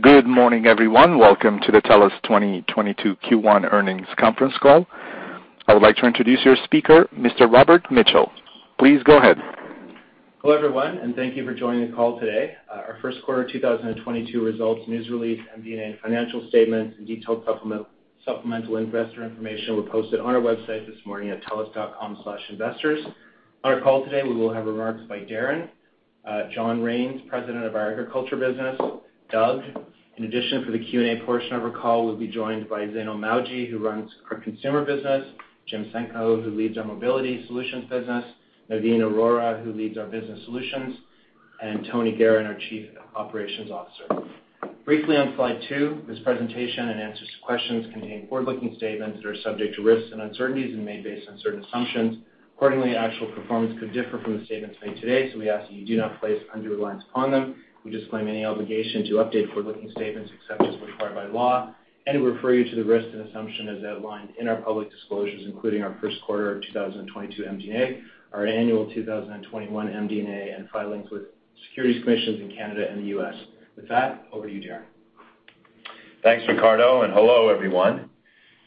Good morning, everyone. Welcome to the TELUS 2022 Q1 Earnings Conference Call. I would like to introduce your speaker, Mr. Robert Mitchell. Please go ahead. Hello, everyone, and thank you for joining the call today. Our first quarter 2022 results, news release, MD&A, financial statements, and detailed supplemental investor information were posted on our website this morning at telus.com/investors. On our call today, we will have remarks by Darren, John Raines, President of our Agriculture business, Doug. In addition, for the Q&A portion of our call, we'll be joined by Zainul Mawji, who runs our consumer business, Jim Senko, who leads our mobility solutions business, Navin Arora, who leads our business solutions, and Tony Geheran, our Chief Operations Officer. Briefly on slide two, this presentation and answers to questions contain forward-looking statements that are subject to risks and uncertainties and made based on certain assumptions. Accordingly, actual performance could differ from the statements made today, so we ask that you do not place undue reliance upon them. We disclaim any obligation to update forward-looking statements except as required by law, and we refer you to the risks and assumptions as outlined in our public disclosures, including our first quarter of 2022 MD&A, our annual 2021 MD&A, and filings with securities commissions in Canada and the U.S. With that, over to you, Darren. Thanks, Robert Mitchell, and hello, everyone.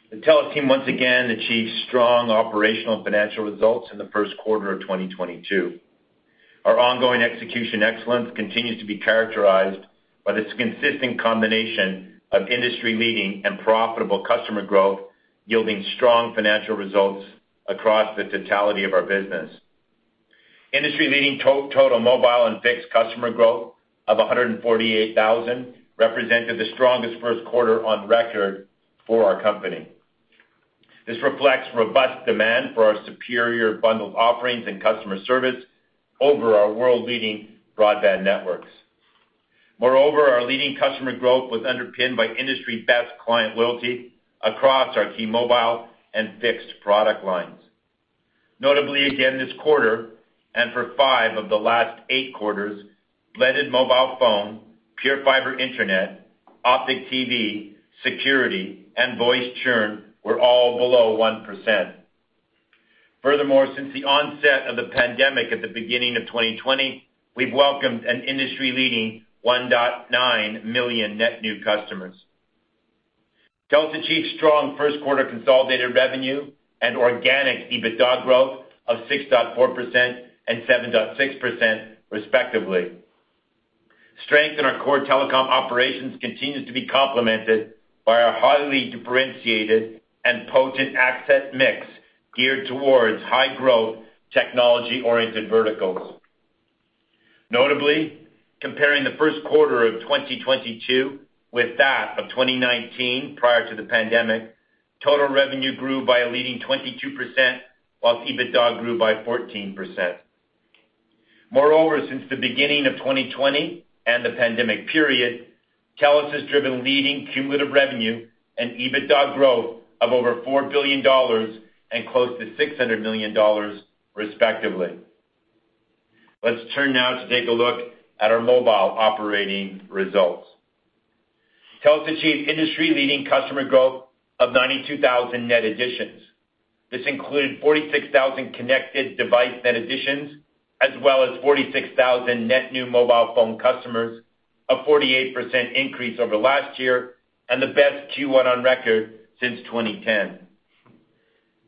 The TELUS team once again achieved strong operational and financial results in the first quarter of 2022. Our ongoing execution excellence continues to be characterized by this consistent combination of industry-leading and profitable customer growth, yielding strong financial results across the totality of our business. Industry-leading total mobile and fixed customer growth of 148,000 represented the strongest first quarter on record for our company. This reflects robust demand for our superior bundled offerings and customer service over our world-leading broadband networks. Moreover, our leading customer growth was underpinned by industry-best client loyalty across our key mobile and fixed product lines. Notably, again this quarter, and for five of the last eight quarters, blended mobile phone, PureFibre internet, Optik TV, security, and voice churn were all below 1%. Furthermore, since the onset of the pandemic at the beginning of 2020, we've welcomed an industry-leading 1.9 million net new customers. TELUS achieved strong first quarter consolidated revenue and organic EBITDA growth of 6.4% and 7.6% respectively. Strength in our core telecom operations continues to be complemented by our highly differentiated and potent access mix geared towards high-growth, technology-oriented verticals. Notably, comparing the first quarter of 2022 with that of 2019, prior to the pandemic, total revenue grew by a leading 22%, while EBITDA grew by 14%. Moreover, since the beginning of 2020 and the pandemic period, TELUS has driven leading cumulative revenue and EBITDA growth of over 4 billion dollars and close to 600 million dollars respectively. Let's turn now to take a look at our mobile operating results. TELUS achieved industry-leading customer growth of 92,000 net additions. This included 46,000 connected device net additions as well as 46,000 net new mobile phone customers, a 48% increase over last year and the best Q1 on record since 2010.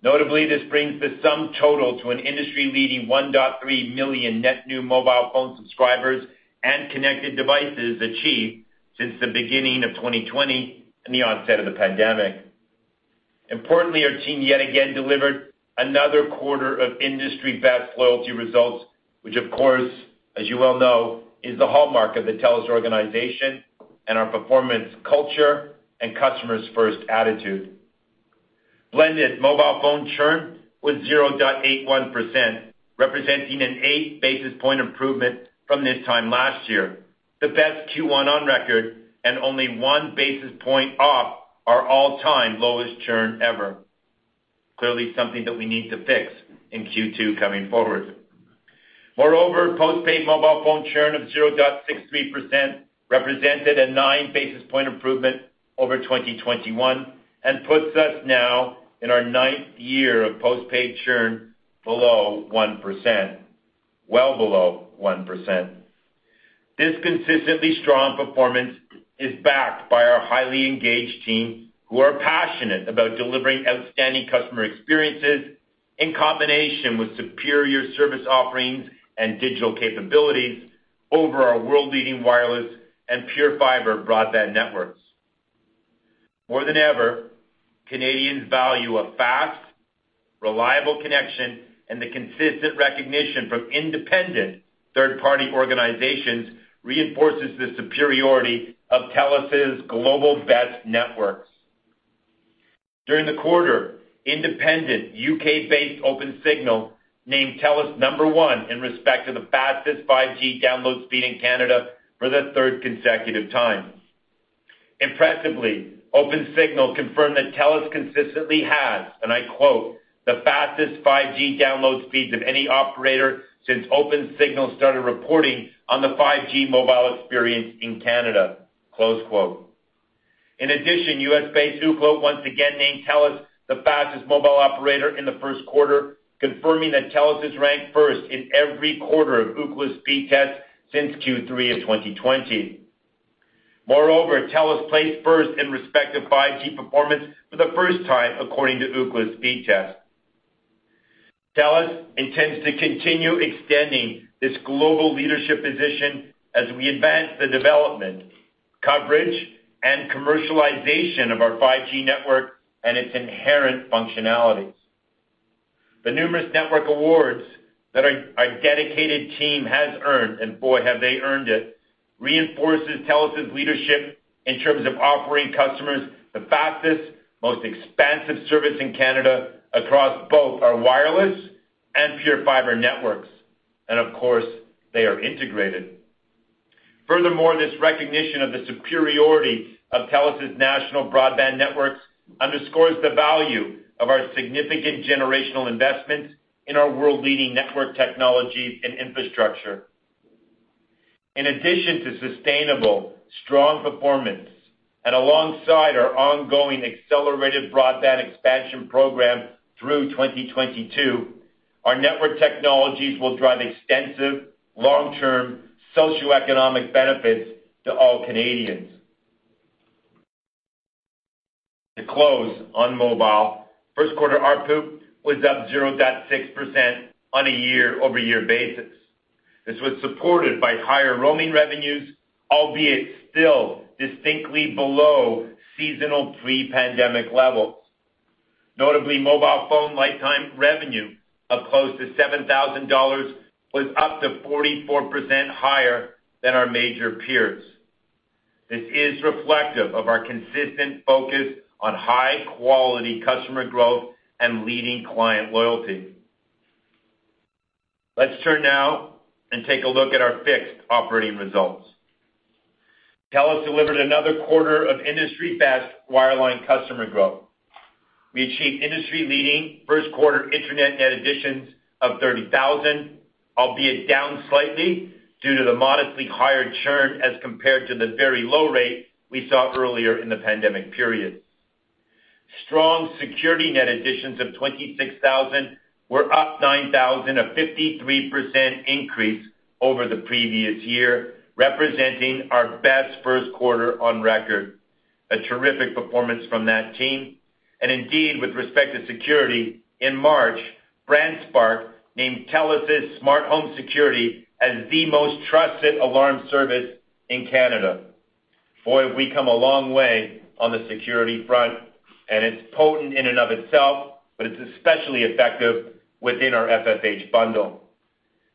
Notably, this brings the sum total to an industry-leading 1.3 million net new mobile phone subscribers and connected devices achieved since the beginning of 2020 and the onset of the pandemic. Importantly, our team yet again delivered another quarter of industry-best loyalty results, which of course, as you well know, is the hallmark of the TELUS organization and our performance culture and customer's first attitude. Blended mobile phone churn was 0.81%, representing an 8 basis point improvement from this time last year, the best Q1 on record and only one basis point off our all-time lowest churn ever. Clearly something that we need to fix in Q2 coming forward. Moreover, postpaid mobile phone churn of 0.63% represented a 9 basis point improvement over 2021 and puts us now in our ninth year of postpaid churn below 1%, well below 1%. This consistently strong performance is backed by our highly engaged team, who are passionate about delivering outstanding customer experiences in combination with superior service offerings and digital capabilities over our world-leading wireless and PureFibre broadband networks. More than ever, Canadians value a fast, reliable connection, and the consistent recognition from independent third-party organizations reinforces the superiority of TELUS's global best networks. During the quarter, independent UK based Opensignal named TELUS number one with respect to the fastest 5G download speed in Canada for the third consecutive time. Impressively, Opensignal confirmed that TELUS consistently has, and I quote, "The fastest 5G download speeds of any operator since Opensignal started reporting on the 5G mobile experience in Canada," close quote. In addition, US based Ookla once again named TELUS the fastest mobile operator in the first quarter, confirming that TELUS is ranked first in every quarter of Ookla's speed test since Q3 of 2020. Moreover, TELUS placed first in respective 5G performance for the first time, according to Ookla's speed test. TELUS intends to continue extending this global leadership position as we advance the development, coverage, and commercialization of our 5G network and its inherent functionalities. The numerous network awards that our dedicated team has earned, and boy, have they earned it, reinforces TELUS's leadership in terms of offering customers the fastest, most expansive service in Canada across both our wireless and PureFibre networks. Of course, they are integrated. Furthermore, this recognition of the superiority of TELUS's national broadband networks underscores the value of our significant generational investment in our world-leading network technology and infrastructure. In addition to sustainable strong performance and alongside our ongoing accelerated broadband expansion program through 2022, our network technologies will drive extensive long-term socioeconomic benefits to all Canadians. To close on mobile, first quarter ARPU was up 0.6% on a year-over-year basis. This was supported by higher roaming revenues, albeit still distinctly below seasonal pre-pandemic levels. Notably, mobile phone lifetime revenue of close to 7,000 dollars was up to 44% higher than our major peers. This is reflective of our consistent focus on high-quality customer growth and leading client loyalty. Let's turn now and take a look at our fixed operating results. TELUS delivered another quarter of industry-best wireline customer growth. We achieved industry-leading first quarter internet net additions of 30,000, albeit down slightly due to the modestly higher churn as compared to the very low rate we saw earlier in the pandemic period. Strong security net additions of 26,000 were up 9,000, a 53% increase over the previous year, representing our best first quarter on record. A terrific performance from that team. Indeed, with respect to security, in March, BrandSpark named TELUS SmartHome Security as the most trusted alarm service in Canada. Boy, have we come a long way on the security front, and it's potent in and of itself, but it's especially effective within our FFH bundle.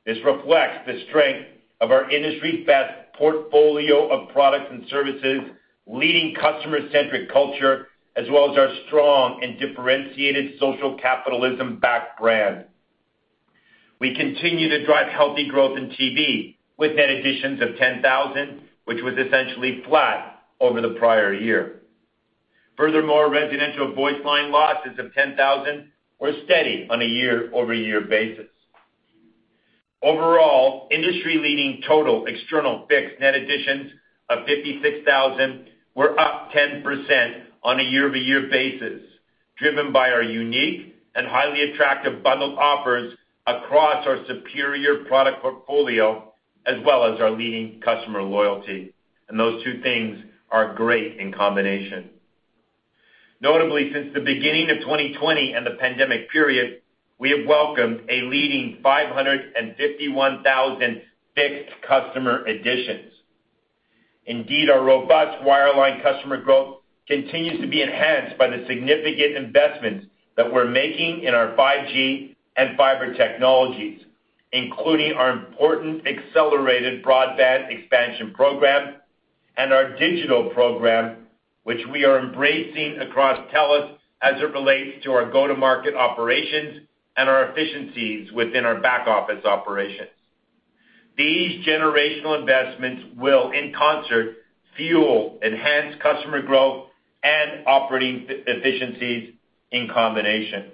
This reflects the strength of our industry-best portfolio of products and services, leading customer-centric culture, as well as our strong and differentiated social capitalism-backed brand. We continue to drive healthy growth in TV with net additions of 10,000, which was essentially flat over the prior year. Furthermore, residential voice line losses of 10,000 were steady on a year-over-year basis. Overall, industry-leading total external fixed net additions of 56,000 were up 10% on a year-over-year basis, driven by our unique and highly attractive bundled offers across our superior product portfolio, as well as our leading customer loyalty. Those two things are great in combination. Notably, since the beginning of 2020 and the pandemic period, we have welcomed a leading 551,000 fixed customer additions. Indeed, our robust wireline customer growth continues to be enhanced by the significant investments that we're making in our 5G and fiber technologies, including our important accelerated broadband expansion program and our digital program, which we are embracing across TELUS as it relates to our go-to-market operations and our efficiencies within our back-office operations. These generational investments will, in concert, fuel enhanced customer growth and operating efficiencies in combination.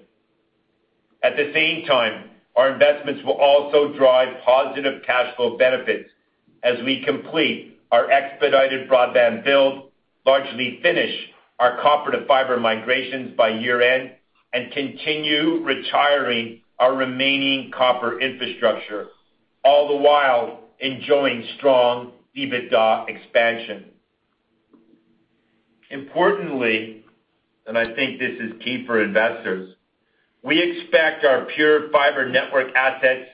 At the same time, our investments will also drive positive cash flow benefits as we complete our expedited broadband build, largely finish our copper-to-fiber migrations by year-end, and continue retiring our remaining copper infrastructure, all the while enjoying strong EBITDA expansion. Importantly, and I think this is key for investors, we expect our PureFibre network assets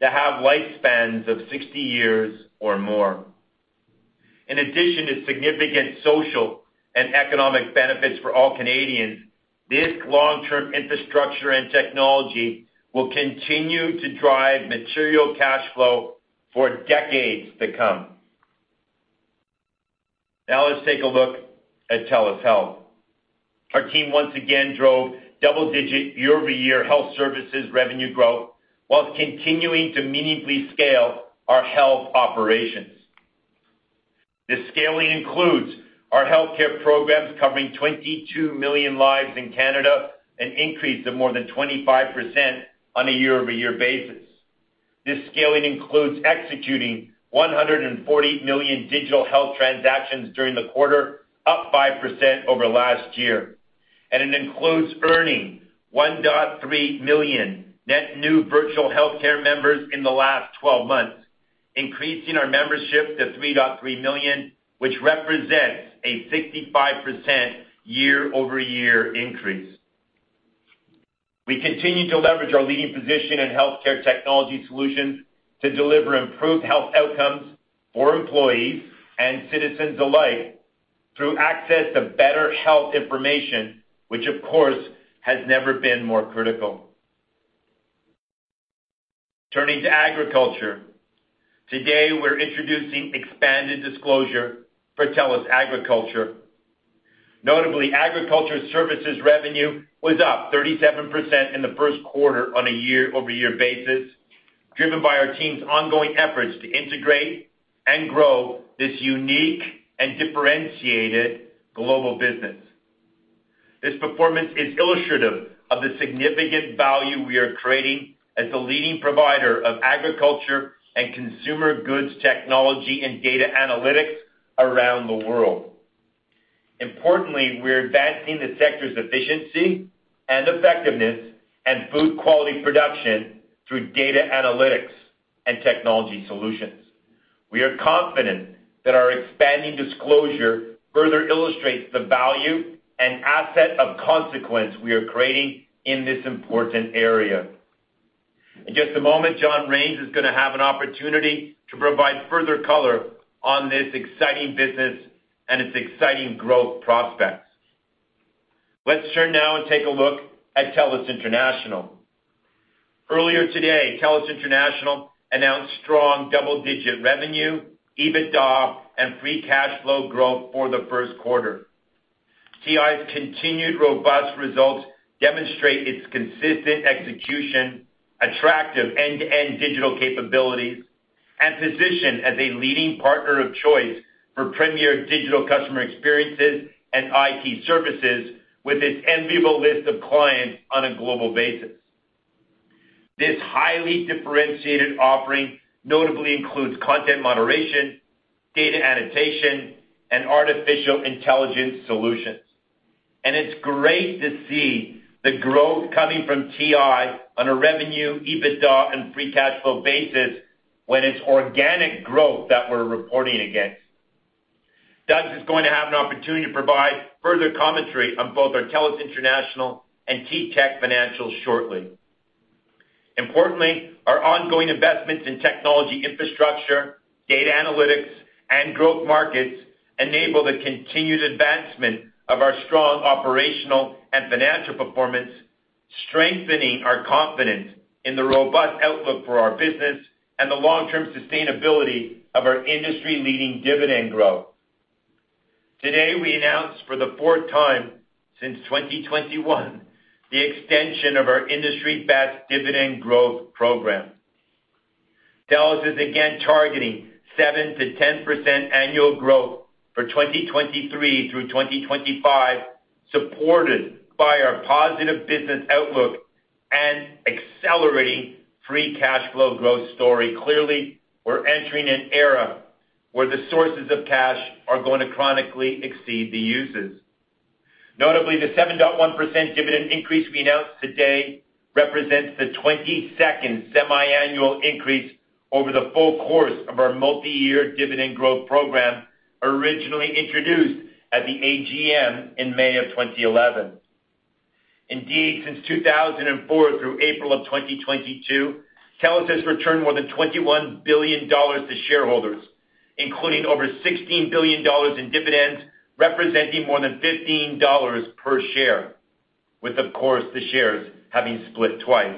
to have lifespans of 60 years or more. In addition to significant social and economic benefits for all Canadians, this long-term infrastructure and technology will continue to drive material cash flow for decades to come. Now let's take a look at TELUS Health. Our team once again drove double-digit year-over-year health services revenue growth while continuing to meaningfully scale our health operations. This scaling includes our healthcare programs covering 22 million lives in Canada, an increase of more than 25% on a year-over-year basis. This scaling includes executing 140 million digital health transactions during the quarter, up 5% over last year, and it includes earning 1.3 million net new virtual healthcare members in the last twelve months, increasing our membership to 3.3 million, which represents a 65% year-over-year increase. We continue to leverage our leading position in healthcare technology solutions to deliver improved health outcomes for employees and citizens alike through access to better health information, which of course has never been more critical. Turning to agriculture. Today, we're introducing expanded disclosure for TELUS Agriculture. Notably, agriculture services revenue was up 37% in the first quarter on a year-over-year basis, driven by our team's ongoing efforts to integrate and grow this unique and differentiated global business. This performance is illustrative of the significant value we are creating as the leading provider of agriculture and consumer goods technology and data analytics around the world. Importantly, we're advancing the sector's efficiency and effectiveness and food quality production through data analytics and technology solutions. We are confident that our expanding disclosure further illustrates the value and asset of consequence we are creating in this important area. In just a moment, John Raines is going to have an opportunity to provide further color on this exciting business and its exciting growth prospects. Let's turn now and take a look at TELUS International. Earlier today, TELUS International announced strong double-digit revenue, EBITDA, and free cash flow growth for the first quarter. TI's continued robust results demonstrate its consistent execution, attractive end-to-end digital capabilities, and position as a leading partner of choice for premier digital customer experiences and IT services with its enviable list of clients on a global basis. This highly differentiated offering notably includes content moderation, data annotation, and artificial intelligence solutions. It's great to see the growth coming from TI on a revenue, EBITDA, and free cash flow basis when it's organic growth that we're reporting against. Doug is going to have an opportunity to provide further commentary on both our TELUS International and TTech financials shortly. Importantly, our ongoing investments in technology infrastructure, data analytics, and growth markets enable the continued advancement of our strong operational and financial performance, strengthening our confidence in the robust outlook for our business and the long-term sustainability of our industry-leading dividend growth. Today, we announced for the fourth time since 2021 the extension of our industry-best dividend growth program. TELUS is again targeting 7%-10% annual growth for 2023 through 2025, supported by our positive business outlook and accelerating free cash flow growth story. Clearly, we're entering an era where the sources of cash are going to chronically exceed the uses. Notably, the 7.1% dividend increase we announced today represents the 22nd semiannual increase over the full course of our multiyear dividend growth program, originally introduced at the AGM in May of 2011. Indeed, since 2004 through April of 2022, TELUS has returned more than 21 billion dollars to shareholders, including over 16 billion dollars in dividends, representing more than 15 dollars per share with, of course, the shares having split twice.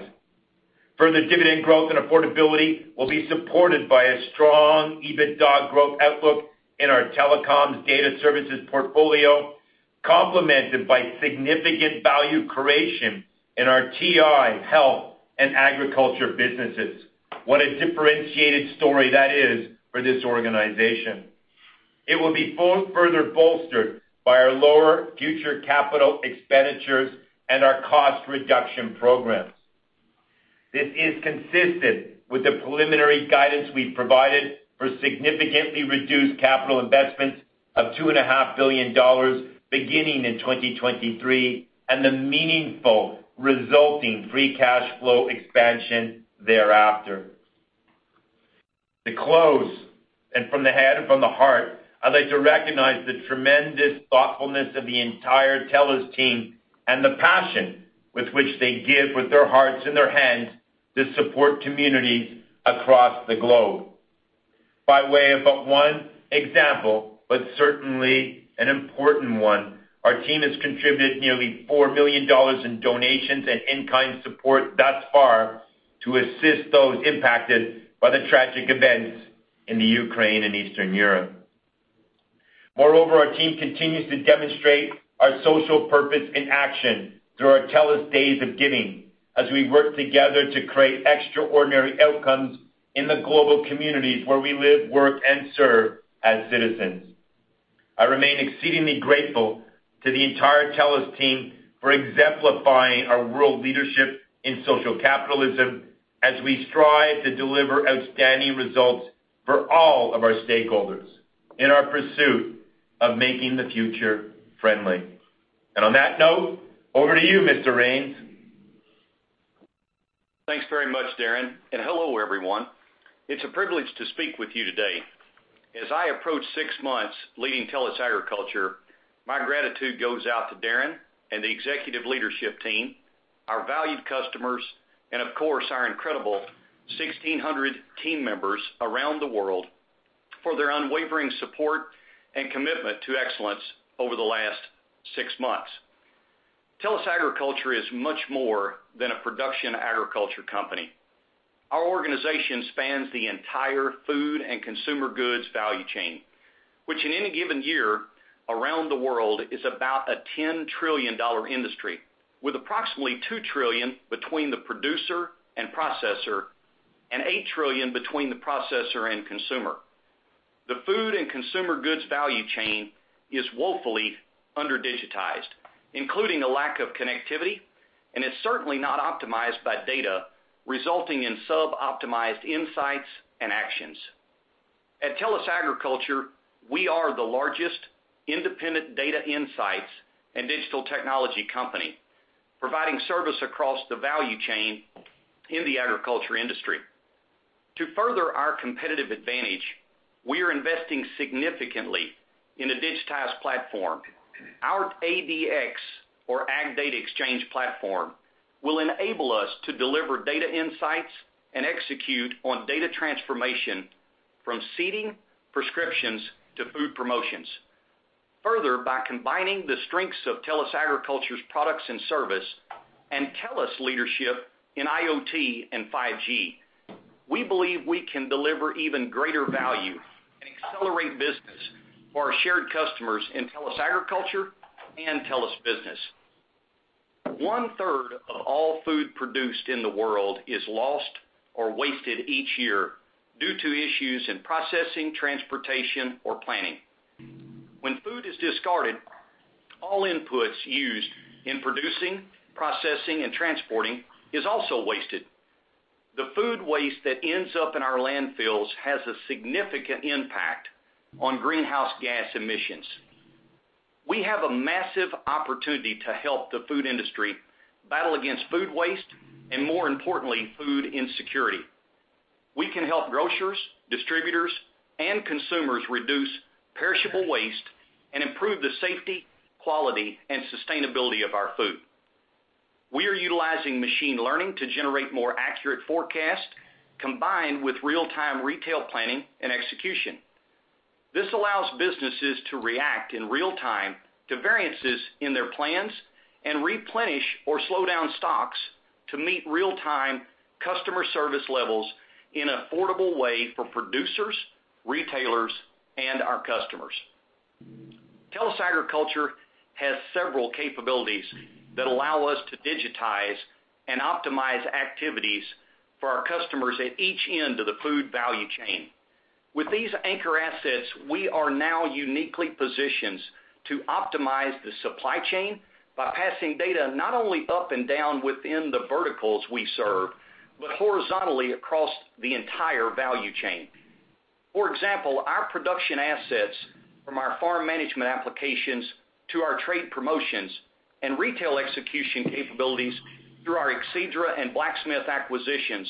Further dividend growth and affordability will be supported by a strong EBITDA growth outlook in our telecoms data services portfolio, complemented by significant value creation in our TI, health, and agriculture businesses. What a differentiated story that is for this organization. It will be further bolstered by our lower future capital expenditures and our cost reduction programs. This is consistent with the preliminary guidance we've provided for significantly reduced capital investments of 2.5 billion dollars beginning in 2023 and the meaningful resulting free cash flow expansion thereafter. To close, and from the head and from the heart, I'd like to recognize the tremendous thoughtfulness of the entire TELUS team and the passion with which they give with their hearts and their hands to support communities across the globe. By way of but one example, but certainly an important one, our team has contributed nearly 4 million dollars in donations and in-kind support thus far to assist those impacted by the tragic events in the Ukraine and Eastern Europe. Moreover, our team continues to demonstrate our social purpose in action through our TELUS Days of Giving as we work together to create extraordinary outcomes in the global communities where we live, work, and serve as citizens. I remain exceedingly grateful to the entire TELUS team for exemplifying our world leadership in social capitalism as we strive to deliver outstanding results for all of our stakeholders in our pursuit of making the future friendly. On that note, over to you, Mr. Raines. Thanks very much, Darren, and hello, everyone. It's a privilege to speak with you today. As I approach six months leading TELUS Agriculture, my gratitude goes out to Darren and the executive leadership team, our valued customers, and of course, our incredible 1,600 team members around the world for their unwavering support and commitment to excellence over the last six months. TELUS Agriculture is much more than a production agriculture company. Our organization spans the entire food and consumer goods value chain, which in any given year around the world is about a $10 trillion dollar industry, with approximately $2 trillion between the producer and processor and $8 trillion between the processor and consumer. The food and consumer goods value chain is woefully under-digitized, including a lack of connectivity, and is certainly not optimized by data resulting in sub-optimized insights and actions. At TELUS Agriculture, we are the largest independent data insights and digital technology company providing service across the value chain in the agriculture industry. To further our competitive advantage, we are investing significantly in a digitized platform. Our ADX or Agricultural Data Exchange platform will enable us to deliver data insights and execute on data transformation from seeding prescriptions to food promotions. Further, by combining the strengths of TELUS Agriculture's products and service and TELUS leadership in IoT and 5G, we believe we can deliver even greater value and accelerate business for our shared customers in TELUS Agriculture and TELUS Business. One-third of all food produced in the world is lost or wasted each year due to issues in processing, transportation, or planning. When food is discarded, all inputs used in producing, processing, and transporting is also wasted. The food waste that ends up in our landfills has a significant impact on greenhouse gas emissions. We have a massive opportunity to help the food industry battle against food waste and, more importantly, food insecurity. We can help grocers, distributors, and consumers reduce perishable waste and improve the safety, quality, and sustainability of our food. We are utilizing machine learning to generate more accurate forecast combined with real-time retail planning and execution. This allows businesses to react in real time to variances in their plans and replenish or slow down stocks to meet real-time customer service levels in affordable way for producers, retailers, and our customers. TELUS Agriculture has several capabilities that allow us to digitize and optimize activities for our customers at each end of the food value chain. With these anchor assets, we are now uniquely positioned to optimize the supply chain by passing data not only up and down within the verticals we serve, but horizontally across the entire value chain. For example, our production assets from our farm management applications to our trade promotions and retail execution capabilities through our Exceedra and Blacksmith acquisitions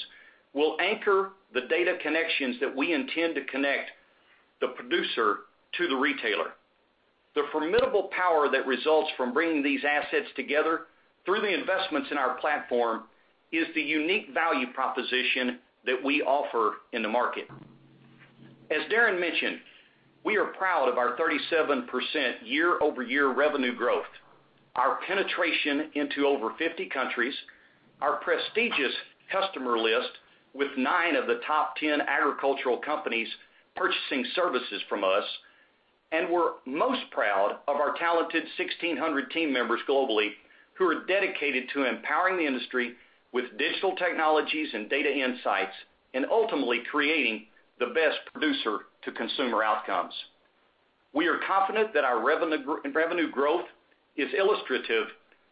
will anchor the data connections that we intend to connect the producer to the retailer. The formidable power that results from bringing these assets together through the investments in our platform is the unique value proposition that we offer in the market. As Darren mentioned, we are proud of our 37% year-over-year revenue growth, our penetration into over 50 countries, our prestigious customer list with nine of the top 10 agricultural companies purchasing services from us. And we're most proud of our talented 1,600 team members globally who are dedicated to empowering the industry with digital technologies and data insights and ultimately creating the best producer to consumer outcomes. We are confident that our revenue growth is illustrative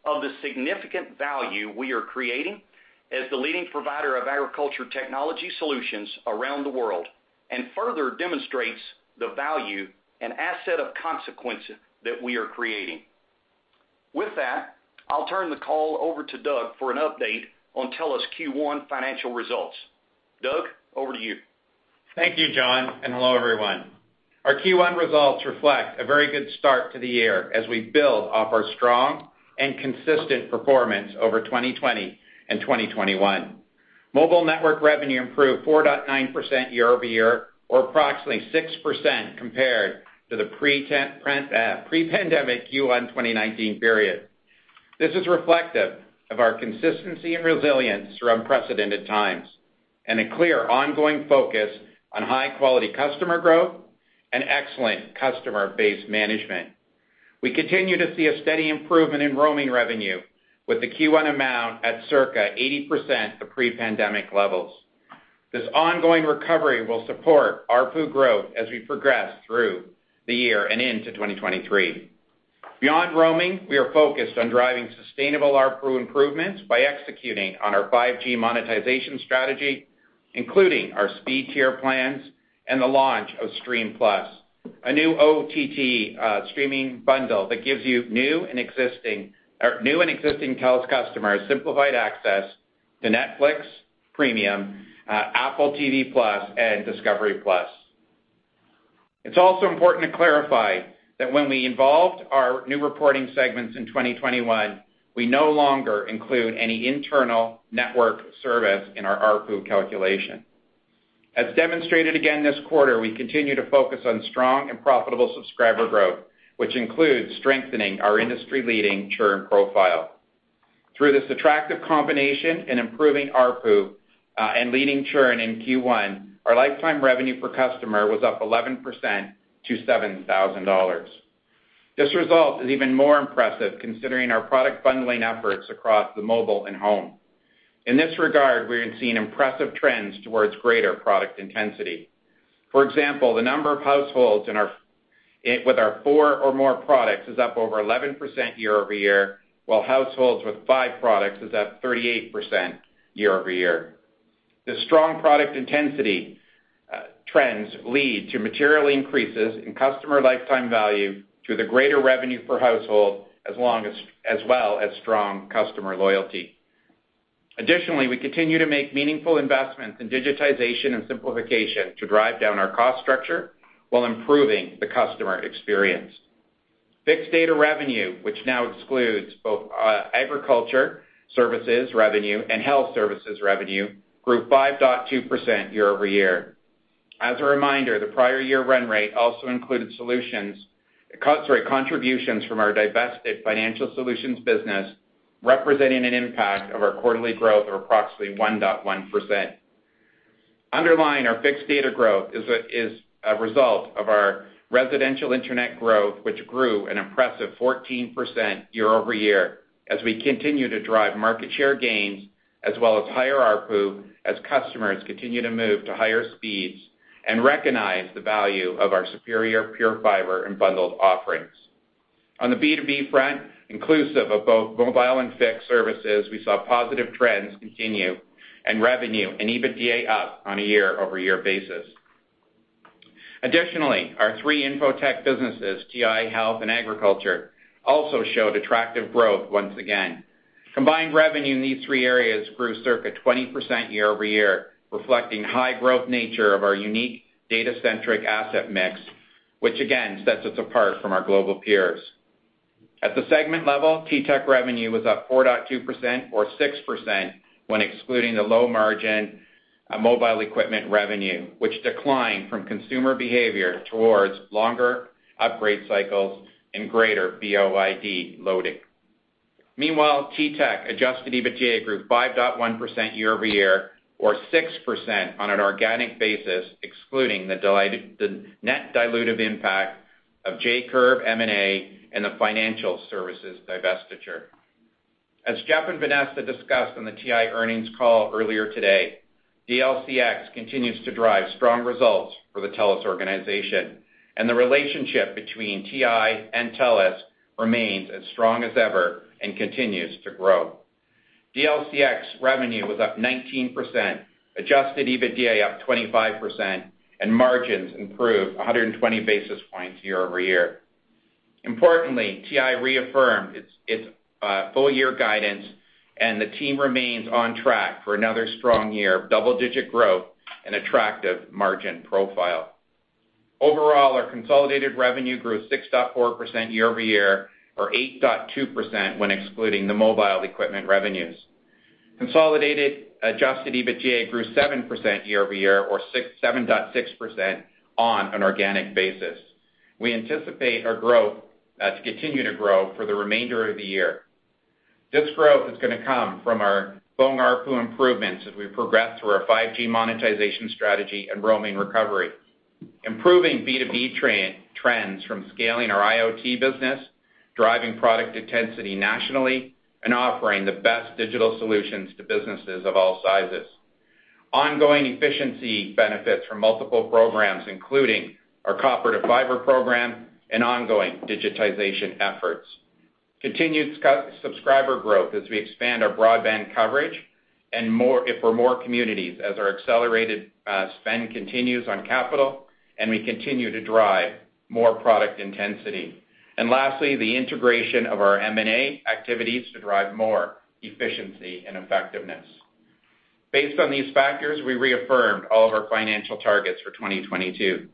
of the significant value we are creating as the leading provider of agriculture technology solutions around the world and further demonstrates the value and asset of consequence that we are creating. With that, I'll turn the call over to Doug for an update on TELUS' Q1 financial results. Doug, over to you. Thank you, John, and hello, everyone. Our Q1 results reflect a very good start to the year as we build off our strong and consistent performance over 2020 and 2021. Mobile network revenue improved 4.9% year-over-year, or approximately 6% compared to the pre-pandemic Q1 2019 period. This is reflective of our consistency and resilience through unprecedented times and a clear ongoing focus on high-quality customer growth and excellent customer base management. We continue to see a steady improvement in roaming revenue with the Q1 amount at circa 80% of pre-pandemic levels. This ongoing recovery will support ARPU growth as we progress through the year and into 2023. Beyond roaming, we are focused on driving sustainable ARPU improvements by executing on our 5G monetization strategy, including our speed tier plans and the launch of Stream+, a new OTT streaming bundle that gives you new and existing TELUS customers simplified access to Netflix Premium, Apple TV+, and Discovery+. It's also important to clarify that when we introduced our new reporting segments in 2021, we no longer include any internal network service in our ARPU calculation. As demonstrated again this quarter, we continue to focus on strong and profitable subscriber growth, which includes strengthening our industry-leading churn profile. Through this attractive combination of improving ARPU and leading churn in Q1, our lifetime revenue per customer was up 11% to 7,000 dollars. This result is even more impressive considering our product bundling efforts across the mobile and home. In this regard, we have seen impressive trends towards greater product intensity. For example, the number of households with our four or more products is up over 11% year-over-year, while households with five products is up 38% year-over-year. The strong product intensity trends lead to material increases in customer lifetime value through the greater revenue per household as well as strong customer loyalty. Additionally, we continue to make meaningful investments in digitization and simplification to drive down our cost structure while improving the customer experience. Fixed data revenue, which now excludes both agriculture services revenue and health services revenue, grew 5.2% year-over-year. As a reminder, the prior year run rate also included contributions from our divested financial solutions business, representing an impact of our quarterly growth of approximately 1.1%. Underlying our fixed data growth is a result of our residential internet growth, which grew an impressive 14% year-over-year as we continue to drive market share gains as well as higher ARPU as customers continue to move to higher speeds and recognize the value of our superior TELUS PureFibre and bundled offerings. On the B2B front, inclusive of both mobile and fixed services, we saw positive trends continue and revenue and EBITDA up on a year-over-year basis. Additionally, our three Infotech businesses, TI Health and Agriculture, also showed attractive growth once again. Combined revenue in these three areas grew circa 20% year-over-year, reflecting high growth nature of our unique data-centric asset mix, which again sets us apart from our global peers. At the segment level, TTech revenue was up 4.2% or 6% when excluding the low margin mobile equipment revenue, which declined from consumer behavior towards longer upgrade cycles and greater BYOD loading. Meanwhile, TTech adjusted EBITDA grew 5.1% year-over-year or 6% on an organic basis, excluding the net dilutive impact of J-Curve M&A and the financial services divestiture. As Jeff and Vanessa discussed on the TI earnings call earlier today, DLCX continues to drive strong results for the TELUS organization and the relationship between TI and TELUS remains as strong as ever and continues to grow. DLCX revenue was up 19%, adjusted EBITDA up 25%, and margins improved 120 basis points year-over-year. Importantly, TI reaffirmed its full-year guidance, and the team remains on track for another strong year of double-digit growth and attractive margin profile. Overall, our consolidated revenue grew 6.4% year-over-year, or 8.2% when excluding the mobile equipment revenues. Consolidated adjusted EBITDA grew 7% year-over-year or 7.6% on an organic basis. We anticipate our growth to continue to grow for the remainder of the year. This growth is going to come from our phone ARPU improvements as we progress through our 5G monetization strategy and roaming recovery, improving B2B trends from scaling our IoT business, driving product intensity nationally, and offering the best digital solutions to businesses of all sizes. Ongoing efficiency benefits from multiple programs, including our copper to fiber program and ongoing digitization efforts. Continued subscriber growth as we expand our broadband coverage and more for more communities as our accelerated spend continues on capital and we continue to drive more product intensity. Lastly, the integration of our M&A activities to drive more efficiency and effectiveness. Based on these factors, we reaffirmed all of our financial targets for 2022.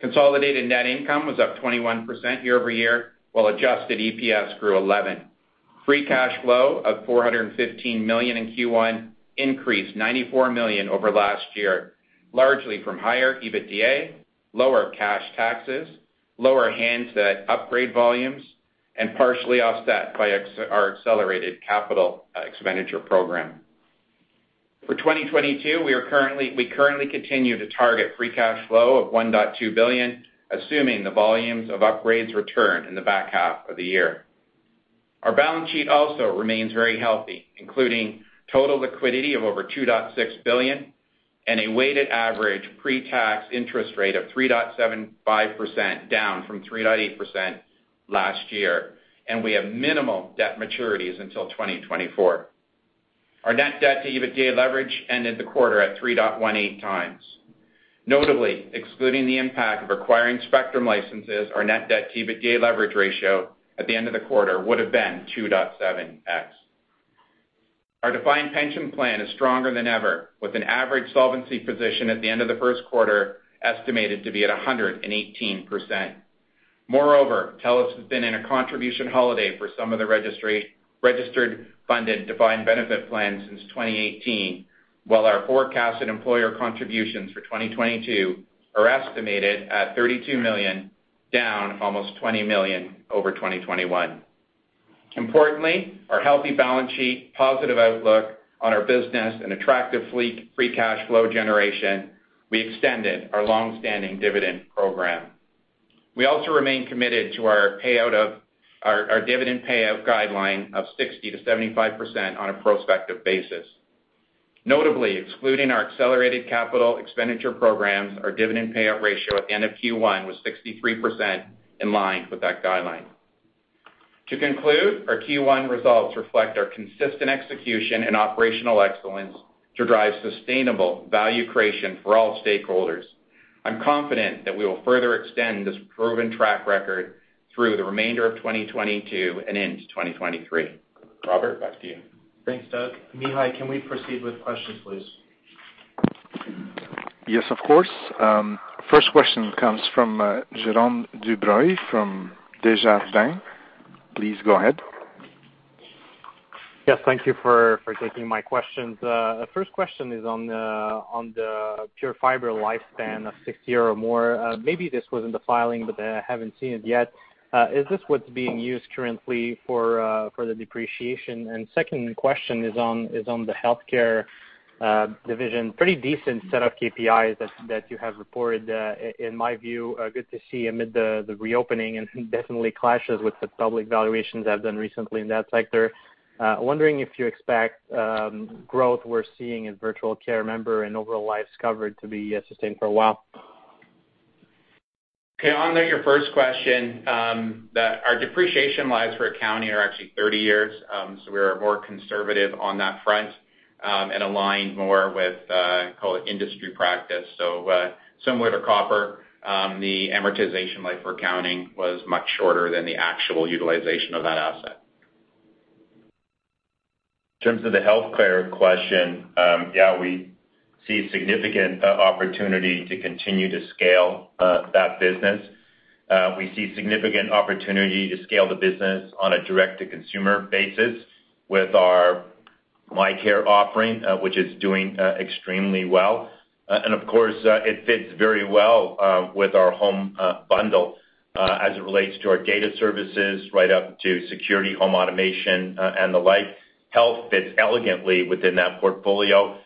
Consolidated net income was up 21% year-over-year, while adjusted EPS grew 11%. Free cash flow of 415 million in Q1 increased 94 million over last year, largely from higher EBITDA, lower cash taxes, lower handset upgrade volumes, and partially offset by our accelerated capital expenditure program. For 2022, we currently continue to target free cash flow of 1.2 billion, assuming the volumes of upgrades return in the back half of the year. Our balance sheet also remains very healthy, including total liquidity of over 2.6 billion and a weighted average pre-tax interest rate of 3.75%, down from 3.8% last year. We have minimal debt maturities until 2024. Our net debt-to-EBITDA leverage ended the quarter at 3.18x. Notably, excluding the impact of acquiring spectrum licenses, our Net Debt-to-EBITDA leverage ratio at the end of the quarter would have been 2.7x. Our defined pension plan is stronger than ever, with an average solvency position at the end of the first quarter estimated to be at 118%. Moreover, TELUS has been in a contribution holiday for some of the registered funded defined benefit plans since 2018, while our forecasted employer contributions for 2022 are estimated at 32 million, down almost 20 million over 2021. Importantly, our healthy balance sheet, positive outlook on our business, and attractive free cash flow generation, we extended our long-standing dividend program. We also remain committed to our dividend payout guideline of 60%-75% on a prospective basis. Notably, excluding our accelerated capital expenditure programs, our dividend payout ratio at the end of Q1 was 63% in line with that guideline. To conclude, our Q1 results reflect our consistent execution and operational excellence to drive sustainable value creation for all stakeholders. I'm confident that we will further extend this proven track record through the remainder of 2022 and into 2023. Robert, back to you. Thanks, Doug. Mihai, can we proceed with questions, please? Yes, of course. First question comes from, Jerome Dubreuil from Desjardins. Please go ahead. Yes, thank you for taking my questions. First question is on the TELUS PureFibre lifespan of sixty years or more. Maybe this was in the filing, but I haven't seen it yet. Is this what's being used currently for the depreciation? Second question is on the healthcare division. Pretty decent set of KPIs that you have reported. In my view, good to see amid the reopening and definitely clashes with the public valuations I've done recently in that sector. Wondering if you expect the growth we're seeing in virtual care member and overall lives covered to be sustained for a while. Okay. On your first question, our depreciation lives for accounting are actually 30 years. We are more conservative on that front, and aligned more with, call it industry practice. Similar to copper, the amortization life for accounting was much shorter than the actual utilization of that asset. In terms of the healthcare question, yeah, we see significant opportunity to continue to scale that business. We see significant opportunity to scale the business on a direct-to-consumer basis with our MyCare offering, which is doing extremely well. Of course, it fits very well with our home bundle, as it relates to our data services right up to security, home automation, and the like. Health fits elegantly within that portfolio.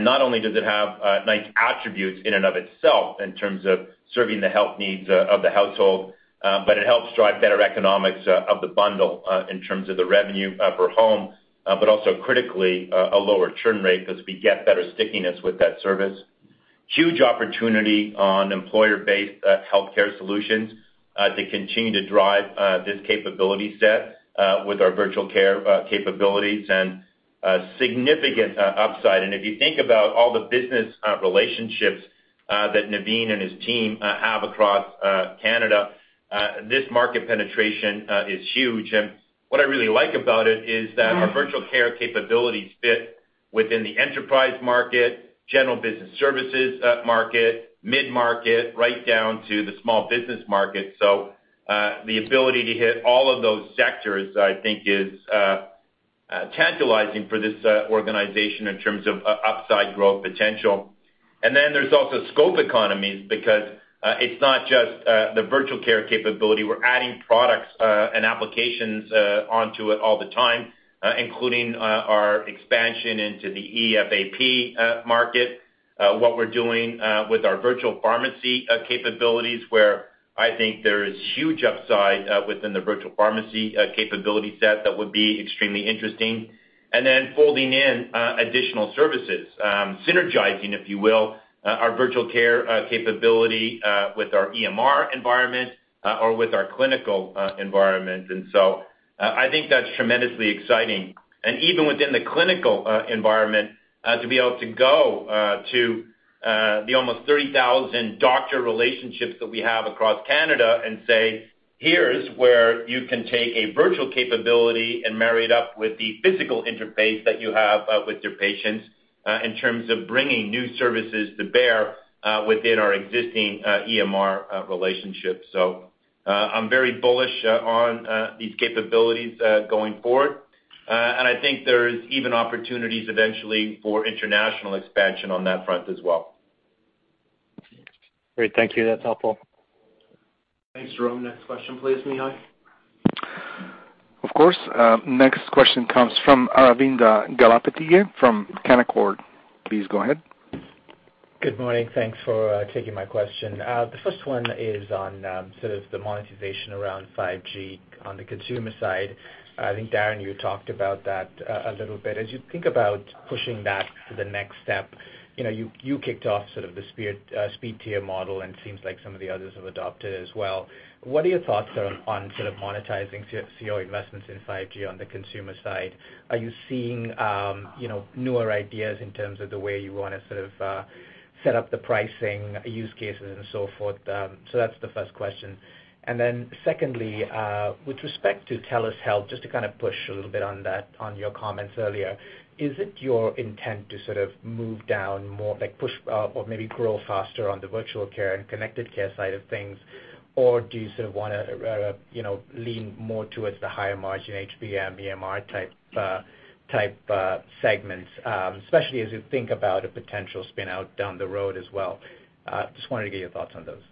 Not only does it have nice attributes in and of itself in terms of serving the health needs of the household, but it helps drive better economics of the bundle in terms of the revenue per home, but also critically, a lower churn rate because we get better stickiness with that service. Huge opportunity on employer-based healthcare solutions to continue to drive this capability set with our virtual care capabilities and significant upside. If you think about all the business relationships that Navin and his team have across Canada, this market penetration is huge. What I really like about it is that our virtual care capabilities fit within the enterprise market, general business services market, mid-market, right down to the small business market. The ability to hit all of those sectors, I think is tantalizing for this organization in terms of upside growth potential. There's also scope economies because it's not just the virtual care capability. We're adding products and applications onto it all the time, including our expansion into the EFAP market, what we're doing with our virtual pharmacy capabilities, where I think there is huge upside within the virtual pharmacy capability set that would be extremely interesting. Folding in additional services, synergizing, if you will, our virtual care capability with our EMR environment or with our clinical environment. I think that's tremendously exciting. Even within the clinical environment to be able to go to the almost 30,000 doctor relationships that we have across Canada and say, "Here's where you can take a virtual capability and marry it up with the physical interface that you have with your patients in terms of bringing new services to bear within our existing EMR relationship." So I'm very bullish on these capabilities going forward. I think there is even opportunities eventually for international expansion on that front as well. Great. Thank you. That's helpful. Thanks, Jerome. Next question, please, Mihai. Of course. Next question comes from Aravinda Galappatthige from Canaccord. Please go ahead. Good morning. Thanks for taking my question. The first one is on sort of the monetization around 5G on the consumer side. I think, Darren, you talked about that a little bit. As you think about pushing that to the next step, you kicked off sort of the speed tier model, and it seems like some of the others have adopted as well. What are your thoughts on sort of monetizing to see your investments in 5G on the consumer side? Are you seeing newer ideas in terms of the way you wanna sort of set up the pricing, use cases, and so forth? That's the first question. Secondly, with respect to TELUS Health, just to kind of push a little bit on that, on your comments earlier. Is it your intent to sort of move down more, like, push, or maybe grow faster on the virtual care and connected care side of things? Or do you sort of wanna, you know, lean more towards the higher margin HBM, EMR type segments, especially as you think about a potential spin out down the road as well? Just wanted to get your thoughts on those.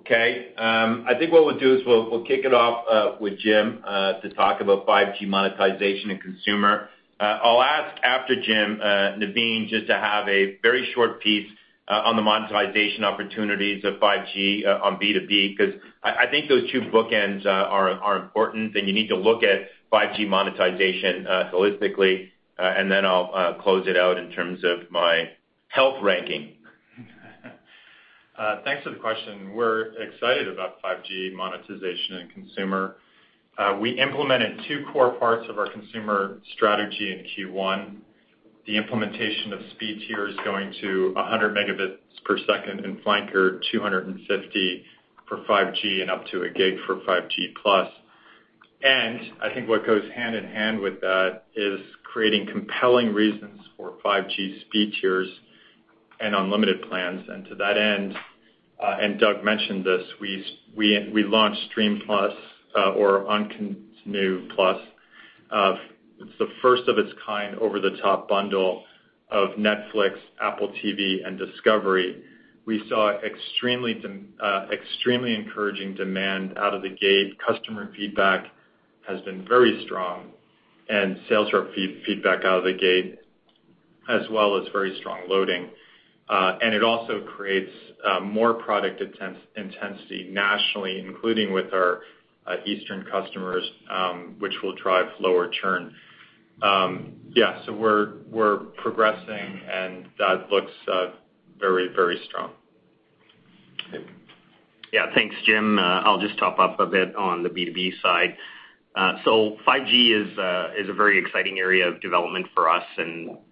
Okay. I think what we'll do is we'll kick it off with Jim to talk about 5G monetization in consumer. I'll ask after Jim, Navin just to have a very short piece on the monetization opportunities of 5G on B2B, 'cause I think those two bookends are important, and you need to look at 5G monetization holistically. I'll close it out in terms of my health ranking. Thanks for the question. We're excited about 5G monetization in consumer. We implemented two core parts of our consumer strategy in Q1. The implementation of speed tier is going to 100 Mbps in flanker, 250Mbps for 5G, and up to 1 Gb for 5G+. I think what goes hand in hand with that is creating compelling reasons for 5G speed tiers and unlimited plans. To that end, Doug mentioned this, we launched Stream+. It's the first of its kind over-the-top bundle of Netflix, Apple TV+, and Discovery+. We saw extremely encouraging demand out of the gate. Customer feedback has been very strong, and sales rep feedback out of the gate, as well as very strong loading. It also creates more product intensity nationally, including with our eastern customers, which will drive lower churn. We're progressing, and that looks very strong. Navin. Yeah. Thanks, Jim. I'll just top up a bit on the B2B side. 5G is a very exciting area of development for us.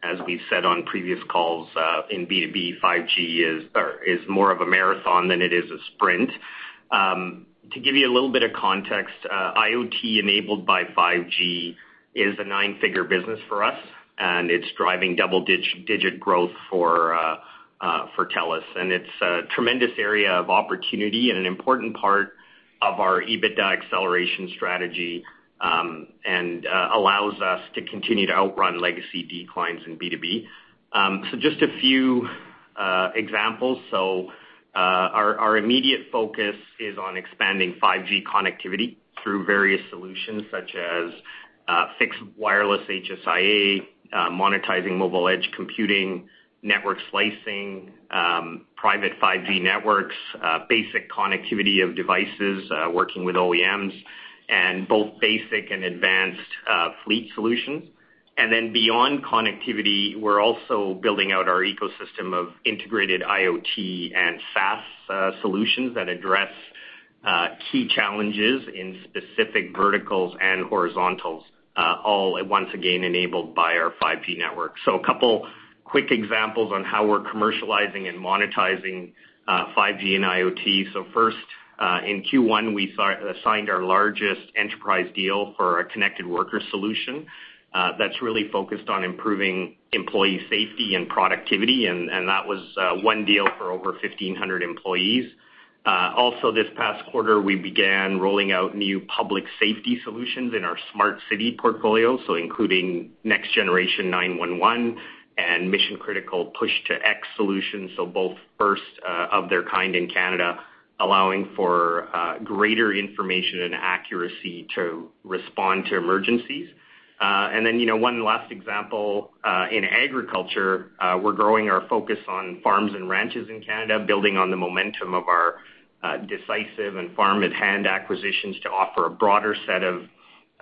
As we've said on previous calls, in B2B, 5G is more of a marathon than it is a sprint. To give you a little bit of context, IoT enabled by 5G is a nine-figure business for us, and it's driving double digit growth for TELUS. It's a tremendous area of opportunity and an important part of our EBITDA acceleration strategy, allows us to continue to outrun legacy declines in B2B. Just a few examples. Our immediate focus is on expanding 5G connectivity through various solutions such as fixed wireless HSIA, monetizing mobile edge computing, network slicing, private 5G networks, basic connectivity of devices, working with OEMs, and both basic and advanced fleet solutions. Beyond connectivity, we're also building out our ecosystem of integrated IoT and SaaS solutions that address key challenges in specific verticals and horizontals, all once again enabled by our 5G network. A couple quick examples on how we're commercializing and monetizing 5G and IoT. First, in Q1, we signed our largest enterprise deal for our Connected Worker solution. That's really focused on improving employee safety and productivity, and that was one deal for over 1,500 employees. Also this past quarter, we began rolling out new public safety solutions in our smart city portfolio, so including Next-Generation 9-1-1 and Mission-Critical Push-to-X solutions, so both first of their kind in Canada, allowing for greater information and accuracy to respond to emergencies. You know, one last example in agriculture, we're growing our focus on farms and ranches in Canada, building on the momentum of our Decisive Farming and Farm at Hand acquisitions to offer a broader set of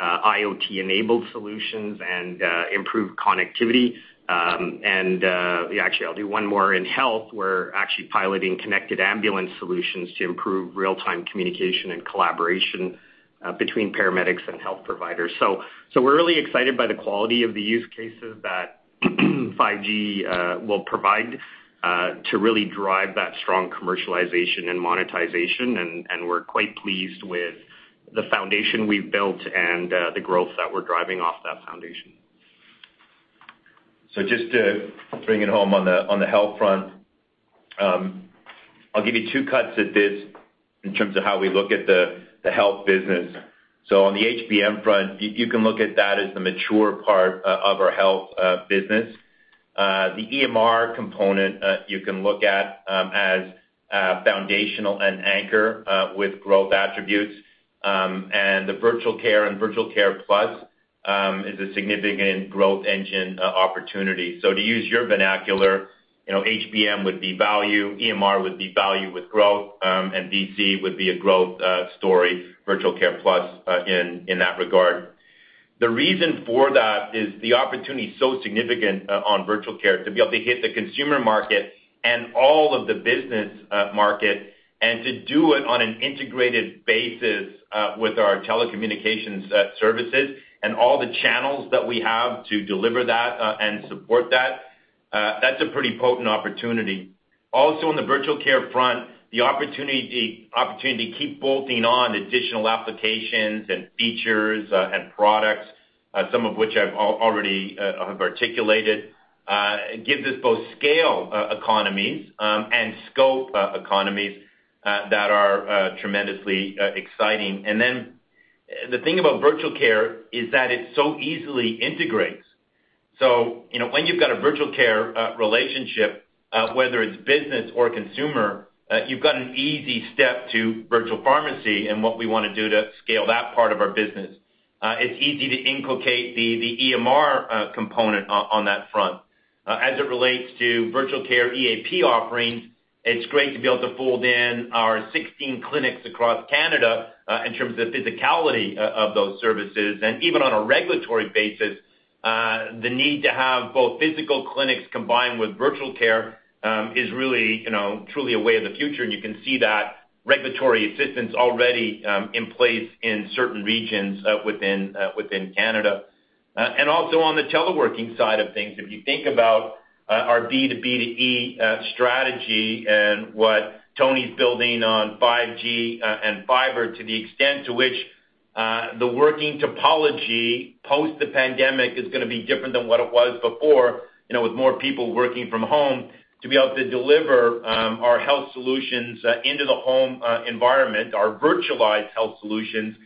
IoT-enabled solutions and improved connectivity. Actually, I'll do one more. In health, we're actually piloting connected ambulance solutions to improve real-time communication and collaboration between paramedics and health providers. We're really excited by the quality of the use cases that 5G will provide to really drive that strong commercialization and monetization. We're quite pleased with the foundation we've built and the growth that we're driving off that foundation. Just to bring it home on the health front, I'll give you two cuts at this in terms of how we look at the health business. On the HBM front, you can look at that as the mature part of our health business. The EMR component you can look at as foundational and anchor with growth attributes. And the Virtual Care and Virtual Care Plus is a significant growth engine opportunity. To use your vernacular, you know, HBM would be value, EMR would be value with growth, and VC would be a growth story, virtual care plus in that regard. The reason for that is the opportunity is so significant on virtual care to be able to hit the consumer market and all of the business market and to do it on an integrated basis with our telecommunications services and all the channels that we have to deliver that and support that. That's a pretty potent opportunity. Also in the virtual care front, the opportunity to keep bolting on additional applications and features and products, some of which I've already have articulated, gives us both scale economies and scope economies that are tremendously exciting. The thing about virtual care is that it so easily integrates. You know, when you've got a Virtual Care relationship, whether it's business or consumer, you've got an easy step to Virtual Pharmacy and what we want to do to scale that part of our business. It's easy to inculcate the EMR component on that front. As it relates to Virtual Care EFAP offerings, it's great to be able to fold in our 16 clinics across Canada, in terms of physicality of those services. Even on a regulatory basis, the need to have both physical clinics combined with Virtual Care is really, you know, truly a way of the future. You can see that regulatory assistance already in place in certain regions within Canada. Also on the teleworking side of things, if you think about our B2B2E strategy and what Tony's building on 5G and fiber, to the extent to which the working topology post the pandemic is going to be different than what it was before, you know, with more people working from home to be able to deliver our health solutions into the home environment, our virtualized health solutions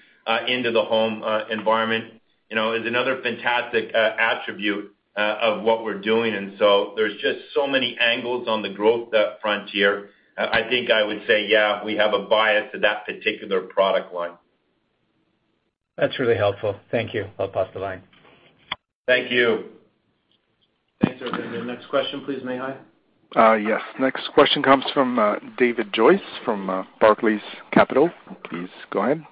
into the home environment, you know, is another fantastic attribute of what we're doing. So there's just so many angles on the growth frontier. I think I would say, yeah, we have a bias to that particular product line. That's really helpful. Thank you. I'll pass the line. Thank you. Thanks, Aravinda. The next question, please, Mihai. Yes. Next question comes from David Joyce from Barclays Capital. Please go ahead.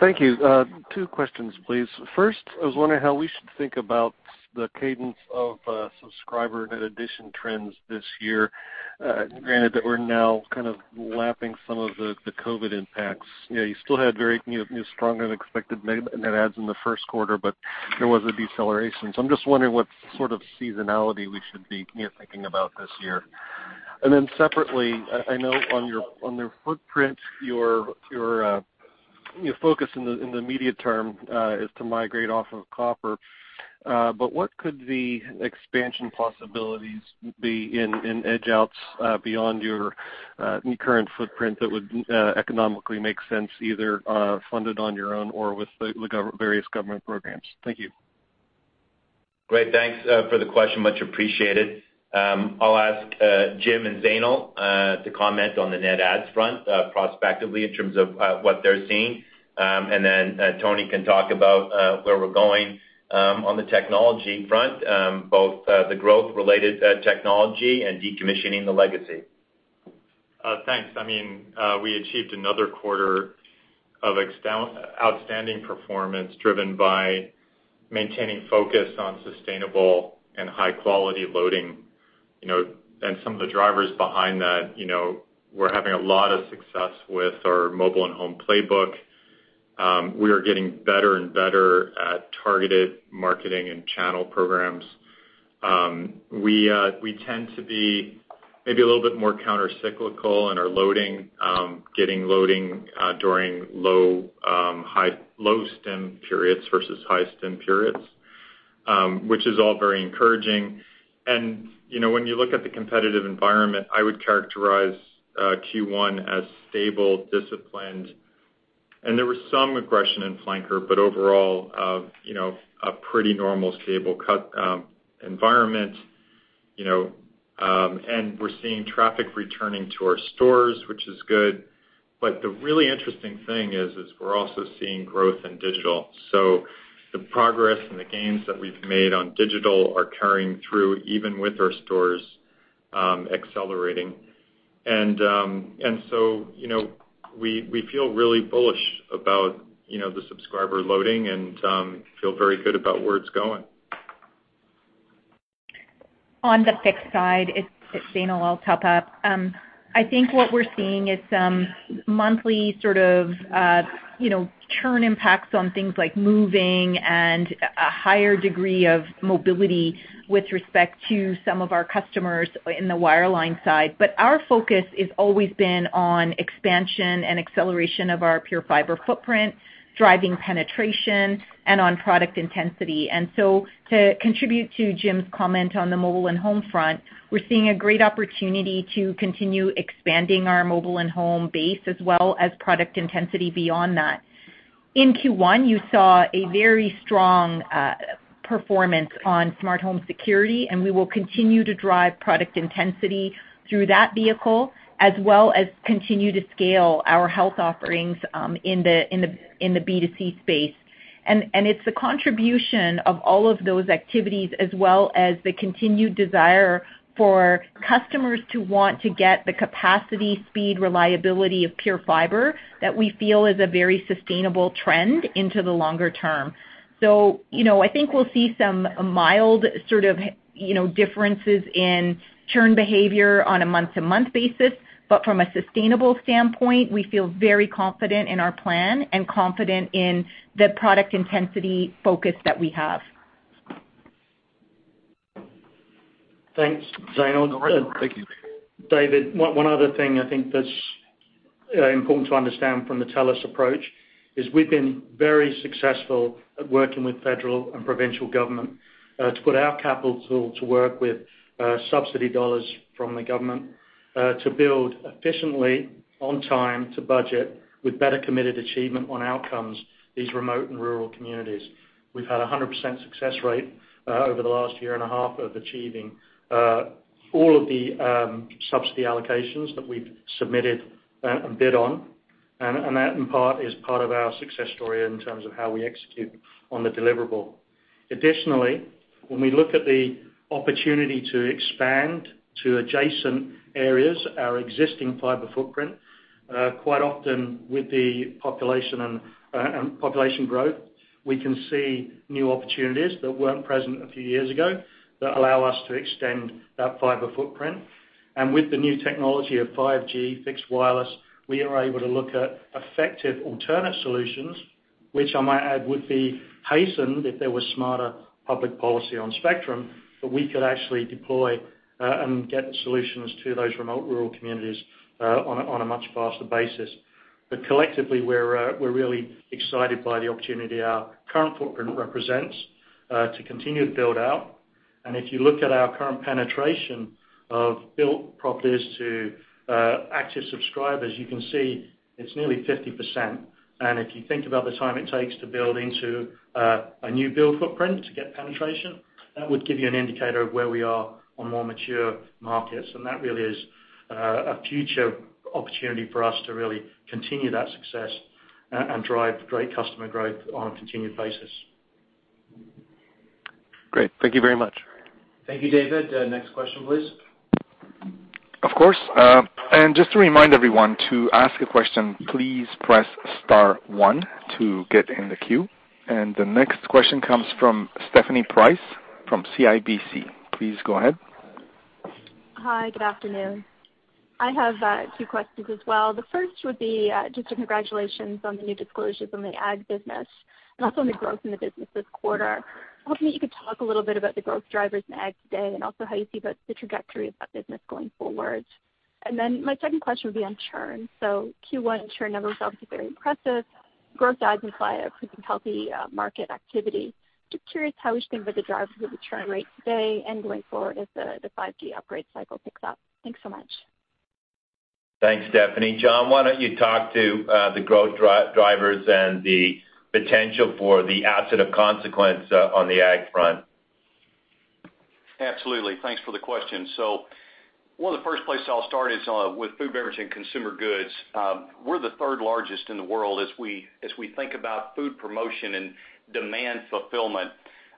Thank you. Two questions, please. First, I was wondering how we should think about the cadence of subscriber net addition trends this year, granted that we're now kind of lapping some of the COVID impacts. You know, you still had very stronger than expected net adds in the first quarter, but there was a deceleration. I'm just wondering what sort of seasonality we should be thinking about this year. Separately, I know on your footprint, your focus in the immediate term is to migrate off of copper. But what could the expansion possibilities be in edge-outs beyond your current footprint that would economically make sense, either funded on your own or with various government programs? Thank you. Great. Thanks for the question. Much appreciated. I'll ask Jim and Zainul to comment on the net adds front prospectively in terms of what they're seeing. Tony can talk about where we're going on the technology front both the growth related technology and decommissioning the legacy. Thanks. I mean, we achieved another quarter of outstanding performance driven by maintaining focus on sustainable and high-quality loading, you know, and some of the drivers behind that, you know, we're having a lot of success with our mobile and home playbook. We are getting better and better at targeted marketing and channel programs. We tend to be maybe a little bit more countercyclical in our loading, getting loading during low spend periods versus high spend periods, which is all very encouraging. You know, when you look at the competitive environment, I would characterize Q1 as stable, disciplined. There was some aggression in flanker, but overall, you know, a pretty normal, stable competitive environment, you know, and we're seeing traffic returning to our stores, which is good. The really interesting thing is we're also seeing growth in digital. So the progress and the gains that we've made on digital are carrying through, even with our stores accelerating. You know, we feel really bullish about the subscriber loading and feel very good about where it's going. On the fixed side, it's Zainul. I'll top up. I think what we're seeing is monthly sort of you know churn impacts on things like moving and a higher degree of mobility with respect to some of our customers in the wireline side. Our focus has always been on expansion and acceleration of our TELUS PureFibre footprint, driving penetration and on product intensity. To contribute to Jim's comment on the mobile and home front, we're seeing a great opportunity to continue expanding our mobile and home base as well as product intensity beyond that. In Q1, you saw a very strong performance on TELUS SmartHome Security, and we will continue to drive product intensity through that vehicle, as well as continue to scale our health offerings in the B2C space. It's the contribution of all of those activities as well as the continued desire for customers to want to get the capacity, speed, reliability of TELUS PureFibre that we feel is a very sustainable trend into the longer term. You know, I think we'll see some mild sort of, you know, differences in churn behavior on a month-to-month basis. From a sustainable standpoint, we feel very confident in our plan and confident in the product intensity focus that we have. Thanks, Zainul. Thank you. David, one other thing I think that's important to understand from the TELUS approach is we've been very successful at working with federal and provincial government to put our capital to work with subsidy dollars from the government to build efficiently on time, to budget with better committed achievement on outcomes, these remote and rural communities. We've had a 100% success rate over the last year and a half of achieving all of the subsidy allocations that we've submitted and bid on. That in part is part of our success story in terms of how we execute on the deliverable. Additionally, when we look at the opportunity to expand to adjacent areas, our existing fiber footprint, quite often with the population and population growth, we can see new opportunities that weren't present a few years ago that allow us to extend that fiber footprint. With the new technology of 5G fixed wireless, we are able to look at effective alternate solutions, which I might add would be hastened if there was smarter public policy on spectrum, that we could actually deploy and get solutions to those remote rural communities on a much faster basis. Collectively, we're really excited by the opportunity our current footprint represents to continue to build out. If you look at our current penetration of built properties to active subscribers, you can see it's nearly 50%. If you think about the time it takes to build into a new build footprint to get penetration, that would give you an indicator of where we are on more mature markets. That really is a future opportunity for us to really continue that success and drive great customer growth on a continued basis. Great. Thank you very much. Thank you, David. Next question, please. Of course. Just to remind everyone to ask a question, please press star one to get in the queue. The next question comes from Stephanie Price from CIBC. Please go ahead. Hi, good afternoon. I have two questions as well. The first would be just a congratulations on the new disclosures on the ag business and also on the growth in the business this quarter. Hoping that you could talk a little bit about the growth drivers in ag today and also how you see the trajectory of that business going forward. My second question would be on churn. Q1 churn numbers are also very impressive. Growth adds imply a pretty healthy market activity. Just curious how we should think about the drivers of the churn rate today and going forward as the 5G upgrade cycle picks up. Thanks so much. Thanks, Stephanie. John, why don't you talk to the growth drivers and the potential for the asset of consequence on the ag front? Absolutely. Thanks for the question. One of the first places I'll start is with food, beverage, and consumer goods. We're the third largest in the world as we think about food promotion and demand fulfillment.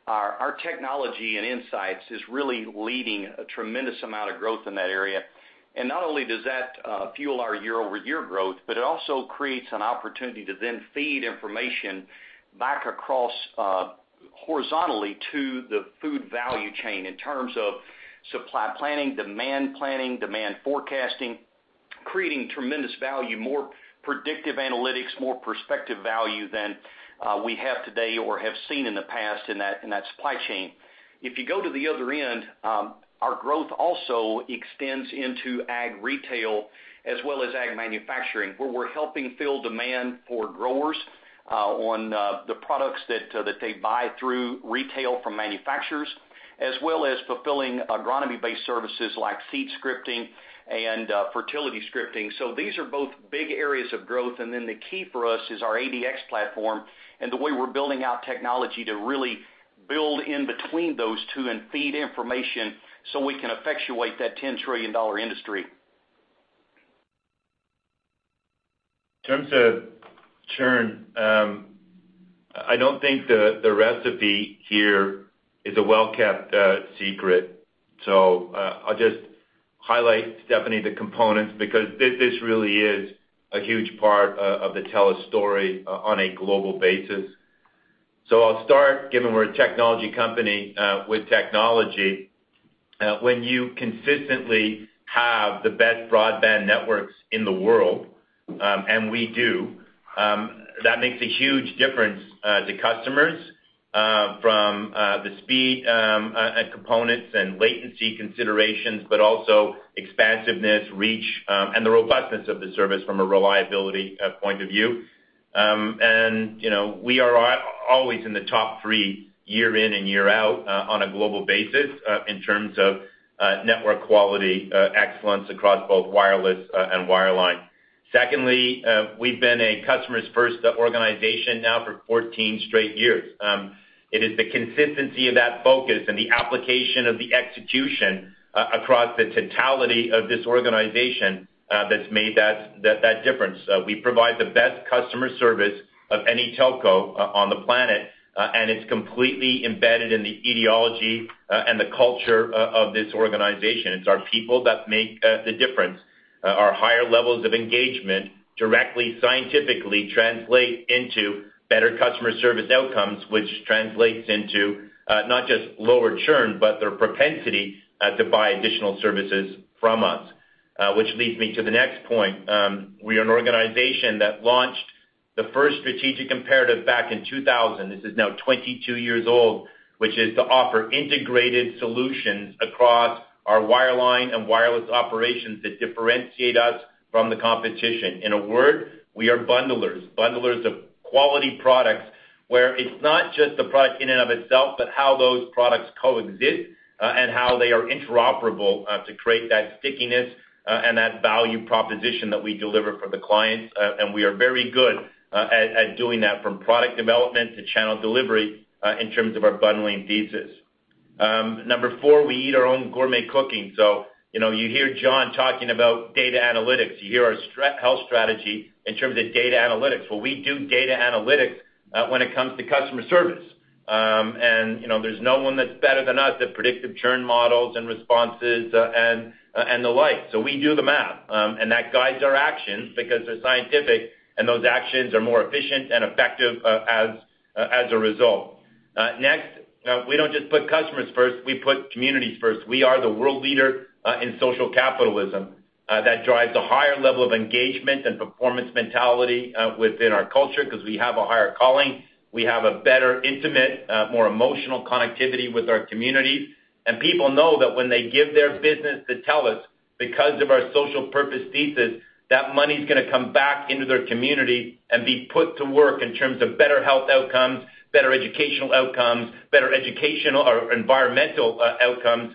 Our technology and insights is really leading a tremendous amount of growth in that area. Not only does that fuel our year-over-year growth, but it also creates an opportunity to then feed information back across horizontally to the food value chain in terms of supply planning, demand planning, demand forecasting, creating tremendous value, more predictive analytics, more prospective value than we have today or have seen in the past in that supply chain. If you go to the other end, our growth also extends into ag retail as well as Ag manufacturing, where we're helping fill demand for growers on the products that they buy through retail from manufacturers, as well as fulfilling agronomy-based services like Seed Scripting and Fertility Scripting. These are both big areas of growth. The key for us is our ADX platform and the way we're building out technology to really build in between those two and feed information so we can effectuate that $10 trillion industry. In terms of churn, I don't think the recipe here is a well-kept secret. I'll just highlight, Stephanie, the components because this really is a huge part of the TELUS story on a global basis. I'll start, given we're a technology company with technology. When you consistently have the best broadband networks in the world, and we do, that makes a huge difference to customers from the speed components and latency considerations, but also expansiveness, reach, and the robustness of the service from a reliability point of view. You know, we are always in the top three year in and year out, on a global basis, in terms of network quality excellence across both wireless and wireline. Secondly, we've been a customer's first organization now for 14 straight years. It is the consistency of that focus and the application of the execution across the totality of this organization that's made that difference. We provide the best customer service of any telco on the planet, and it's completely embedded in the ideology and the culture of this organization. It's our people that make the difference. Our higher levels of engagement directly scientifically translate into better customer service outcomes, which translates into not just lower churn, but their propensity to buy additional services from us. Which leads me to the next point. We are an organization that launched the first strategic imperative back in 2000. This is now 22 years old, which is to offer integrated solutions across our wireline and wireless operations that differentiate us from the competition. In a word, we are bundlers. Bundlers of quality products where it's not just the product in and of itself, but how those products coexist, and how they are interoperable, to create that stickiness, and that value proposition that we deliver for the clients. We are very good at doing that from product development to channel delivery, in terms of our bundling thesis. Number four, we eat our own gourmet cooking. You know, you hear John talking about data analytics. You hear our health strategy in terms of data analytics. Well, we do data analytics, when it comes to customer service. You know, there's no one that's better than us at predictive churn models and responses, and the like. We do the math, and that guides our actions because they're scientific and those actions are more efficient and effective, as a result. Next, we don't just put customers first, we put communities first. We are the world leader, in social capitalism, that drives a higher level of engagement and performance mentality, within our culture because we have a higher calling. We have a better intimate, more emotional connectivity with our communities. People know that when they give their business to TELUS because of our social purpose thesis, that money's gonna come back into their community and be put to work in terms of better health outcomes, better educational outcomes, better educational or environmental outcomes.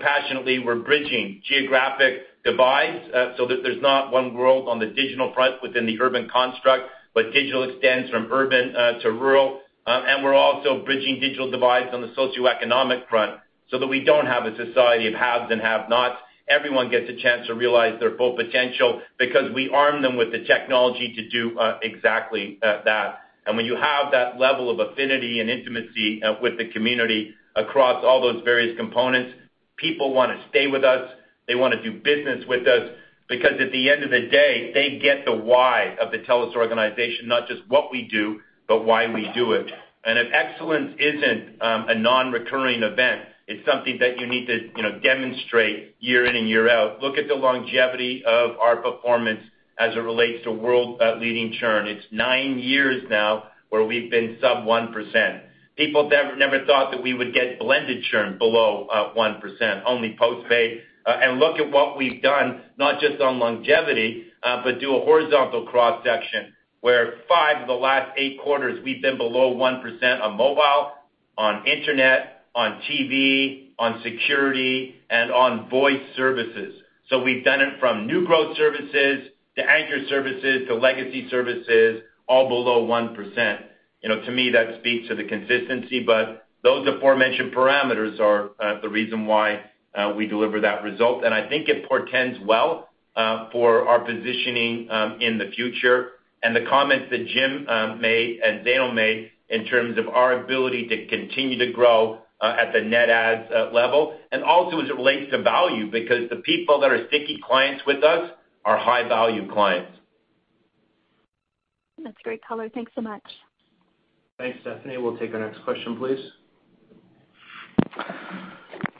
Passionately, we're bridging geographic divides so that there's not one world on the digital front within the urban construct, but digital extends from urban to rural. We're also bridging digital divides on the socioeconomic front so that we don't have a society of haves and have-nots. Everyone gets a chance to realize their full potential because we arm them with the technology to do exactly that. When you have that level of affinity and intimacy with the community across all those various components, people wanna stay with us. They wanna do business with us because at the end of the day, they get the why of the TELUS organization, not just what we do, but why we do it. If excellence isn't a non-recurring event, it's something that you need to, you know, demonstrate year in and year out. Look at the longevity of our performance as it relates to world leading churn. It's nine years now where we've been sub 1%. People never thought that we would get blended churn below 1%, only postpaid. Look at what we've done, not just on longevity, but do a horizontal cross-section where five of the last eight quarters we've been below 1% on mobile, on internet, on TV, on security, and on voice services. We've done it from new growth services to anchor services, to legacy services, all below 1%. You know, to me, that speaks to the consistency, but those aforementioned parameters are the reason why we deliver that result. I think it portends well for our positioning in the future and the comments that Jim made and Zainul made in terms of our ability to continue to grow at the net adds level. Also as it relates to value because the people that are sticky clients with us are high value clients. That's great color. Thanks so much. Thanks, Stephanie. We'll take our next question, please.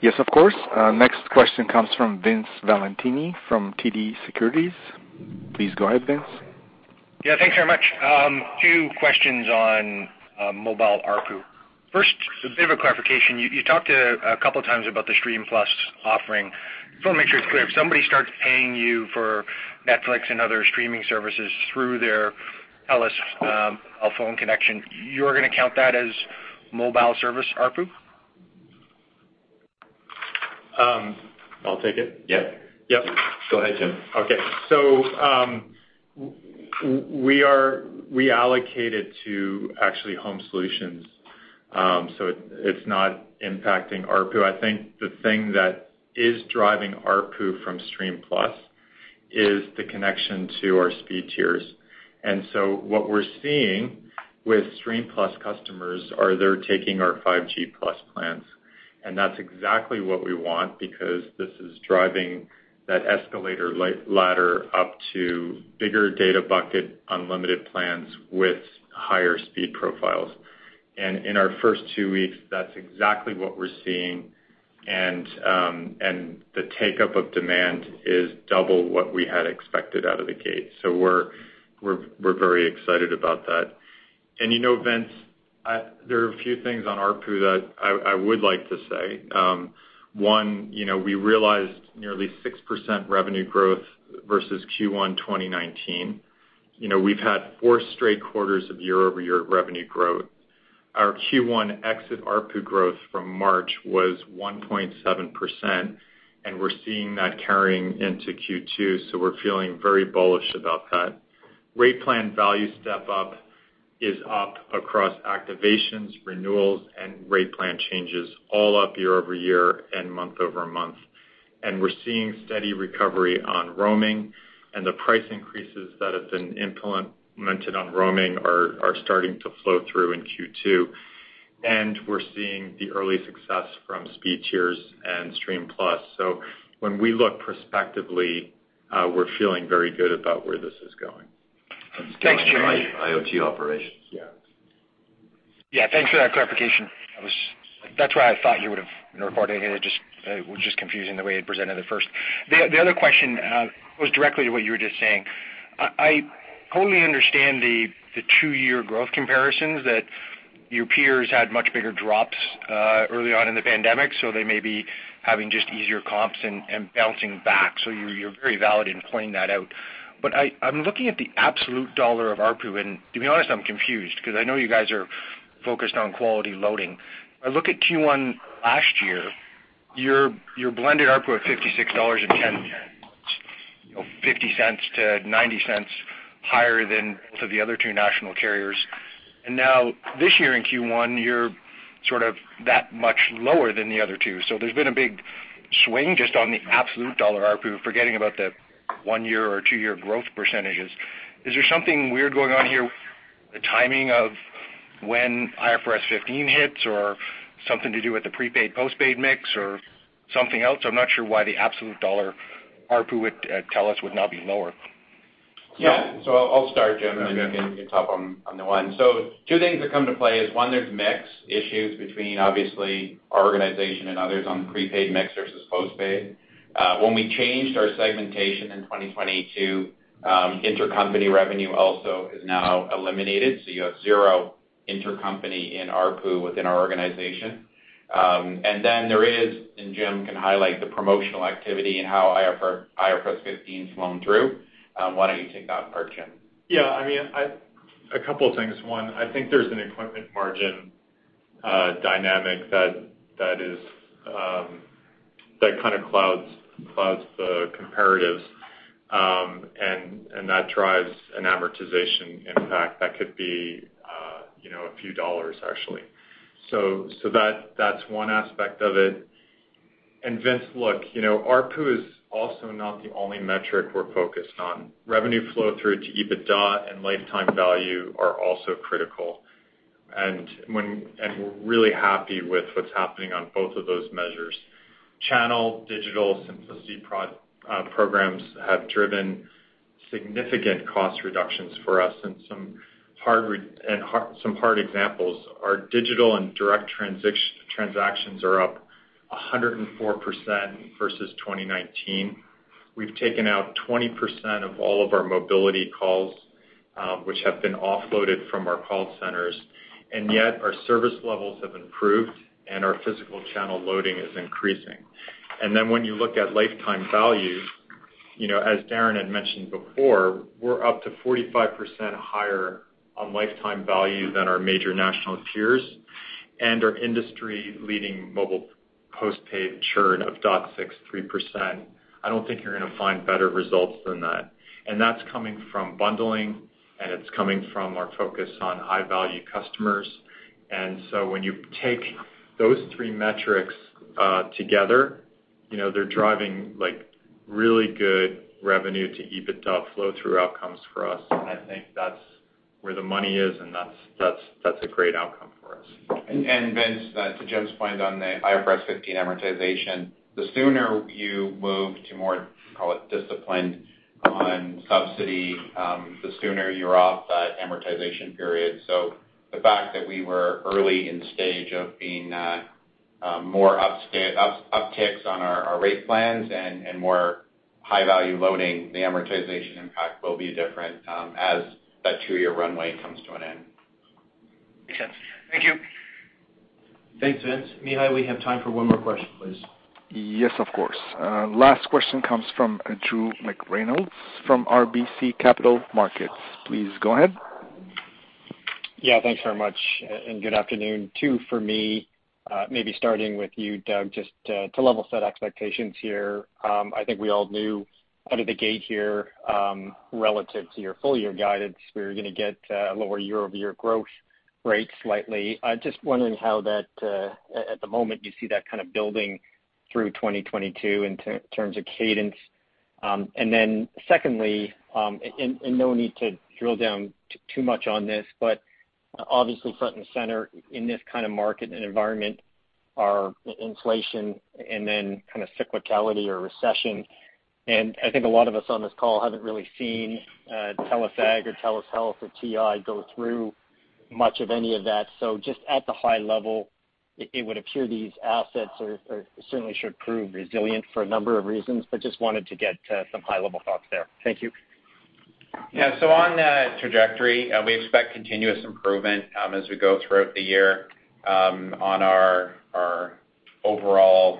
Yes, of course. Next question comes from Vince Valentini from TD Securities. Please go ahead, Vince. Yeah, thanks very much. Two questions on mobile ARPU. First, a bit of a clarification. You talked a couple of times about the Stream+ offering. Just wanna make sure it's clear. If somebody starts paying you for Netflix and other streaming services through their TELUS phone connection, you're gonna count that as mobile service ARPU? I'll take it. Yeah. Yep. Go ahead, Jim. Okay. We allocate it to actually home solutions. It, it's not impacting ARPU. I think the thing that is driving ARPU from Stream+ is the connection to our speed tiers. What we're seeing with Stream+ customers are they're taking our 5G+ plans. That's exactly what we want because this is driving that escalator ladder up to bigger data bucket, unlimited plans with higher speed profiles. In our first two weeks, that's exactly what we're seeing. The take-up of demand is double what we had expected out of the gate. We're very excited about that. You know, Vince, there are a few things on ARPU that I would like to say. You know, we realized nearly 6% revenue growth versus Q1 2019. You know, we've had four straight quarters of year-over-year revenue growth. Our Q1 exit ARPU growth from March was 1.7%, and we're seeing that carrying into Q2, so we're feeling very bullish about that. Rate plan value step up is up across activations, renewals, and rate plan changes all up year-over-year and month-over-month. We're seeing steady recovery on roaming and the price increases that have been implemented on roaming are starting to flow through in Q2. We're seeing the early success from speed tiers and Stream+. When we look prospectively, we're feeling very good about where this is going. Thanks, Jim. Scaling our IoT operations. Yeah. Yeah, thanks for that clarification. That's where I thought you would've reported it. It was just confusing the way it presented it first. The other question goes directly to what you were just saying. I totally understand the two-year growth comparisons that your peers had much bigger drops early on in the pandemic, so they may be having just easier comps and bouncing back. You're very valid in pointing that out. But I'm looking at the absolute dollar of ARPU, and to be honest, I'm confused because I know you guys are focused on quality loading. I look at Q1 last year, your blended ARPU at 56.10 dollars, you know, 0.50-0.90 higher than both of the other two national carriers. Now this year in Q1, you're sort of that much lower than the other two. There's been a big swing just on the absolute dollar ARPU, forgetting about the one year or two year growth percentages. Is there something weird going on here, the timing of when IFRS 15 hits or something to do with the prepaid, postpaid mix or something else? I'm not sure why the absolute dollar ARPU with TELUS would now be lower. Yeah. I'll start, Jim, and then you can talk on the one. Two things that come to play is, one, there's mix issues between obviously our organization and others on prepaid mix versus postpaid. When we changed our segmentation in 2022, intercompany revenue also is now eliminated, so you have zero intercompany in ARPU within our organization. And then there is, and Jim can highlight the promotional activity and how IFRS 15's flowing through. Why don't you take that part, Jim? Yeah, I mean, a couple of things. One, I think there's an equipment margin dynamic that kind of clouds the comparatives, and that drives an amortization impact that could be, you know, a few dollars actually. That's one aspect of it. Vince, look, you know, ARPU is also not the only metric we're focused on. Revenue flow through to EBITDA and lifetime value are also critical. We're really happy with what's happening on both of those measures. Channel, digital, simplicity programs have driven significant cost reductions for us and some hard examples. Our digital and direct transactions are up 104% versus 2019. We've taken out 20% of all of our mobility calls, which have been offloaded from our call centers, and yet our service levels have improved and our physical channel loading is increasing. Then when you look at lifetime value, you know, as Darren had mentioned before, we're up to 45% higher on lifetime value than our major national peers and our industry-leading mobile postpaid churn of 0.63%. I don't think you're gonna find better results than that. That's coming from bundling, and it's coming from our focus on high-value customers. When you take those three metrics, together, you know, they're driving, like, really good revenue to EBITDA flow-through outcomes for us, and I think that's where the money is, and that's a great outcome for us. Vince, to Jim's point on the IFRS 15 amortization, the sooner you move to more, call it, disciplined on subsidy, the sooner you're off that amortization period. The fact that we were early in stage of being more upticks on our rate plans and more high-value loading, the amortization impact will be different as that two-year runway comes to an end. Makes sense. Thank you. Thanks, Vince. Mihai, we have time for one more question, please. Yes, of course. Last question comes from Drew McReynolds from RBC Capital Markets. Please go ahead. Yeah, thanks very much. Good afternoon. Two for me, maybe starting with you, Doug, just to level set expectations here. I think we all knew out of the gate here, relative to your full year guidance, we were gonna get lower year-over-year growth rate slightly. I'm just wondering how that, at the moment, you see that kind of building through 2022 in terms of cadence. Secondly, no need to drill down too much on this, but obviously front and center in this kind of market and environment are inflation and then kind of cyclicality or recession. I think a lot of us on this call haven't really seen TELUS Ag or TELUS Health or TI go through much of any of that. Just at the high level, it would appear these assets are certainly should prove resilient for a number of reasons, but just wanted to get some high-level thoughts there. Thank you. On trajectory, we expect continuous improvement as we go throughout the year on our overall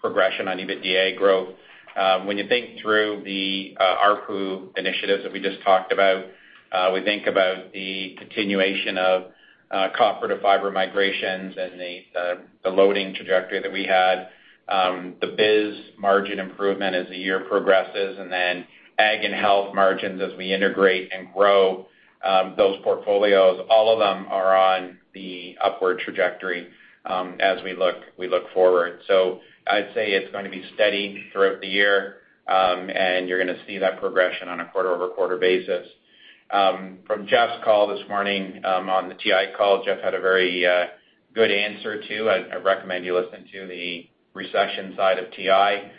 progression on EBITDA growth. When you think through the ARPU initiatives that we just talked about, we think about the continuation of copper to fiber migrations and the loading trajectory that we had, the biz margin improvement as the year progresses, and then ag and health margins as we integrate and grow those portfolios. All of them are on the upward trajectory as we look forward. I'd say it's going to be steady throughout the year, and you're gonna see that progression on a quarter-over-quarter basis. From Jeff's call this morning on the TI call, Jeff had a very good answer too.I recommend you listen to the recession side of TI.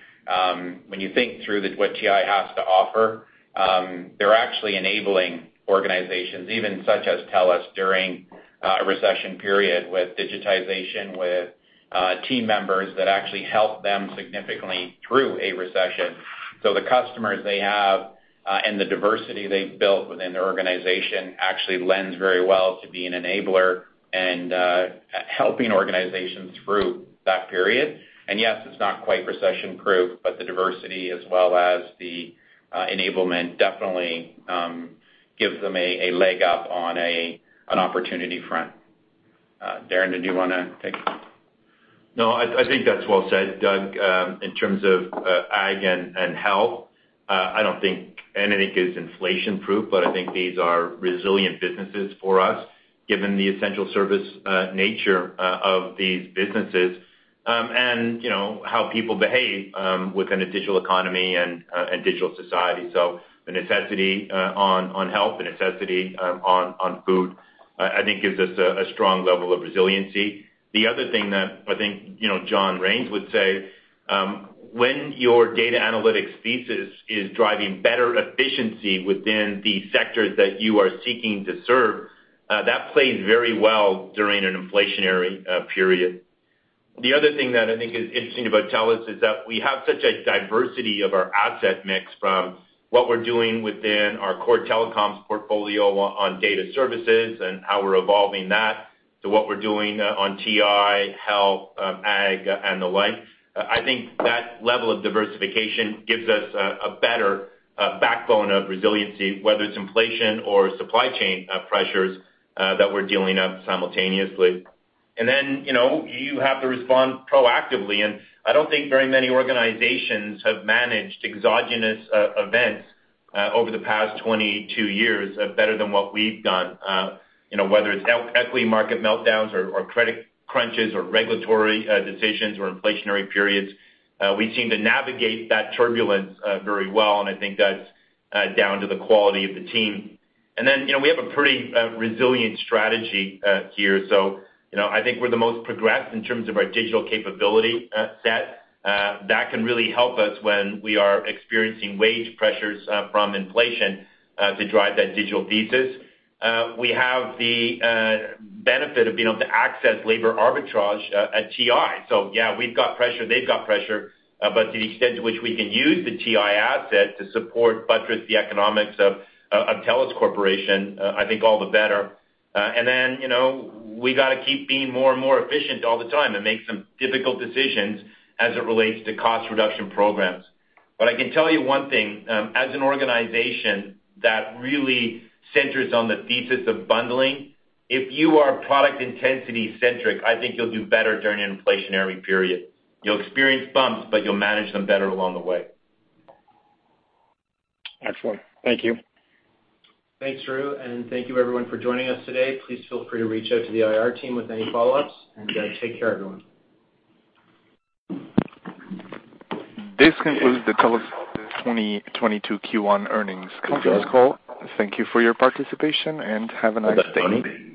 When you think through what TI has to offer, they're actually enabling organizations, even such as TELUS during a recession period with digitization, with team members that actually help them significantly through a recession. The customers they have and the diversity they've built within their organization actually lends very well to being an enabler and helping organizations through that period. Yes, it's not quite recession-proof, but the diversity as well as the enablement definitely gives them a leg up on an opportunity front. Darren, did you wanna take it? No, I think that's well said, Doug. In terms of Ag and Health, I don't think anything is inflation-proof, but I think these are resilient businesses for us, given the essential service nature of these businesses. You know how people behave within a digital economy and digital society. The necessity on health, the necessity on food, I think gives us a strong level of resiliency. The other thing that I think you know John Raines would say, when your data analytics thesis is driving better efficiency within the sectors that you are seeking to serve, that plays very well during an inflationary period. The other thing that I think is interesting about TELUS is that we have such a diversity of our asset mix from what we're doing within our core telecoms portfolio on data services and how we're evolving that to what we're doing on TI, Health, Ag, and the like. I think that level of diversification gives us a better backbone of resiliency, whether it's inflation or supply chain pressures that we're dealing with simultaneously. Then, you know, you have to respond proactively, and I don't think very many organizations have managed exogenous events over the past 22 years better than what we've done. You know, whether it's equity market meltdowns or credit crunches or regulatory decisions or inflationary periods, we seem to navigate that turbulence very well, and I think that's down to the quality of the team. Then, you know, we have a pretty resilient strategy here. You know, I think we're the most progressed in terms of our digital capability set. That can really help us when we are experiencing wage pressures from inflation to drive that digital thesis. We have the benefit of being able to access labor arbitrage at TI. Yeah, we've got pressure, they've got pressure, but to the extent to which we can use the TI asset to support, buttress the economics of TELUS Corporation, I think all the better. You know, we gotta keep being more and more efficient all the time and make some difficult decisions as it relates to cost reduction programs. I can tell you one thing, as an organization that really centers on the thesis of bundling, if you are product intensity centric, I think you'll do better during an inflationary period. You'll experience bumps, but you'll manage them better along the way. Excellent. Thank you. Thanks, Drew, and thank you everyone for joining us today. Please feel free to reach out to the IR team with any follow-ups, and take care everyone. This concludes the TELUS 2022 Q1 Earnings Conference Call. Thank you for your participation, and have a nice day.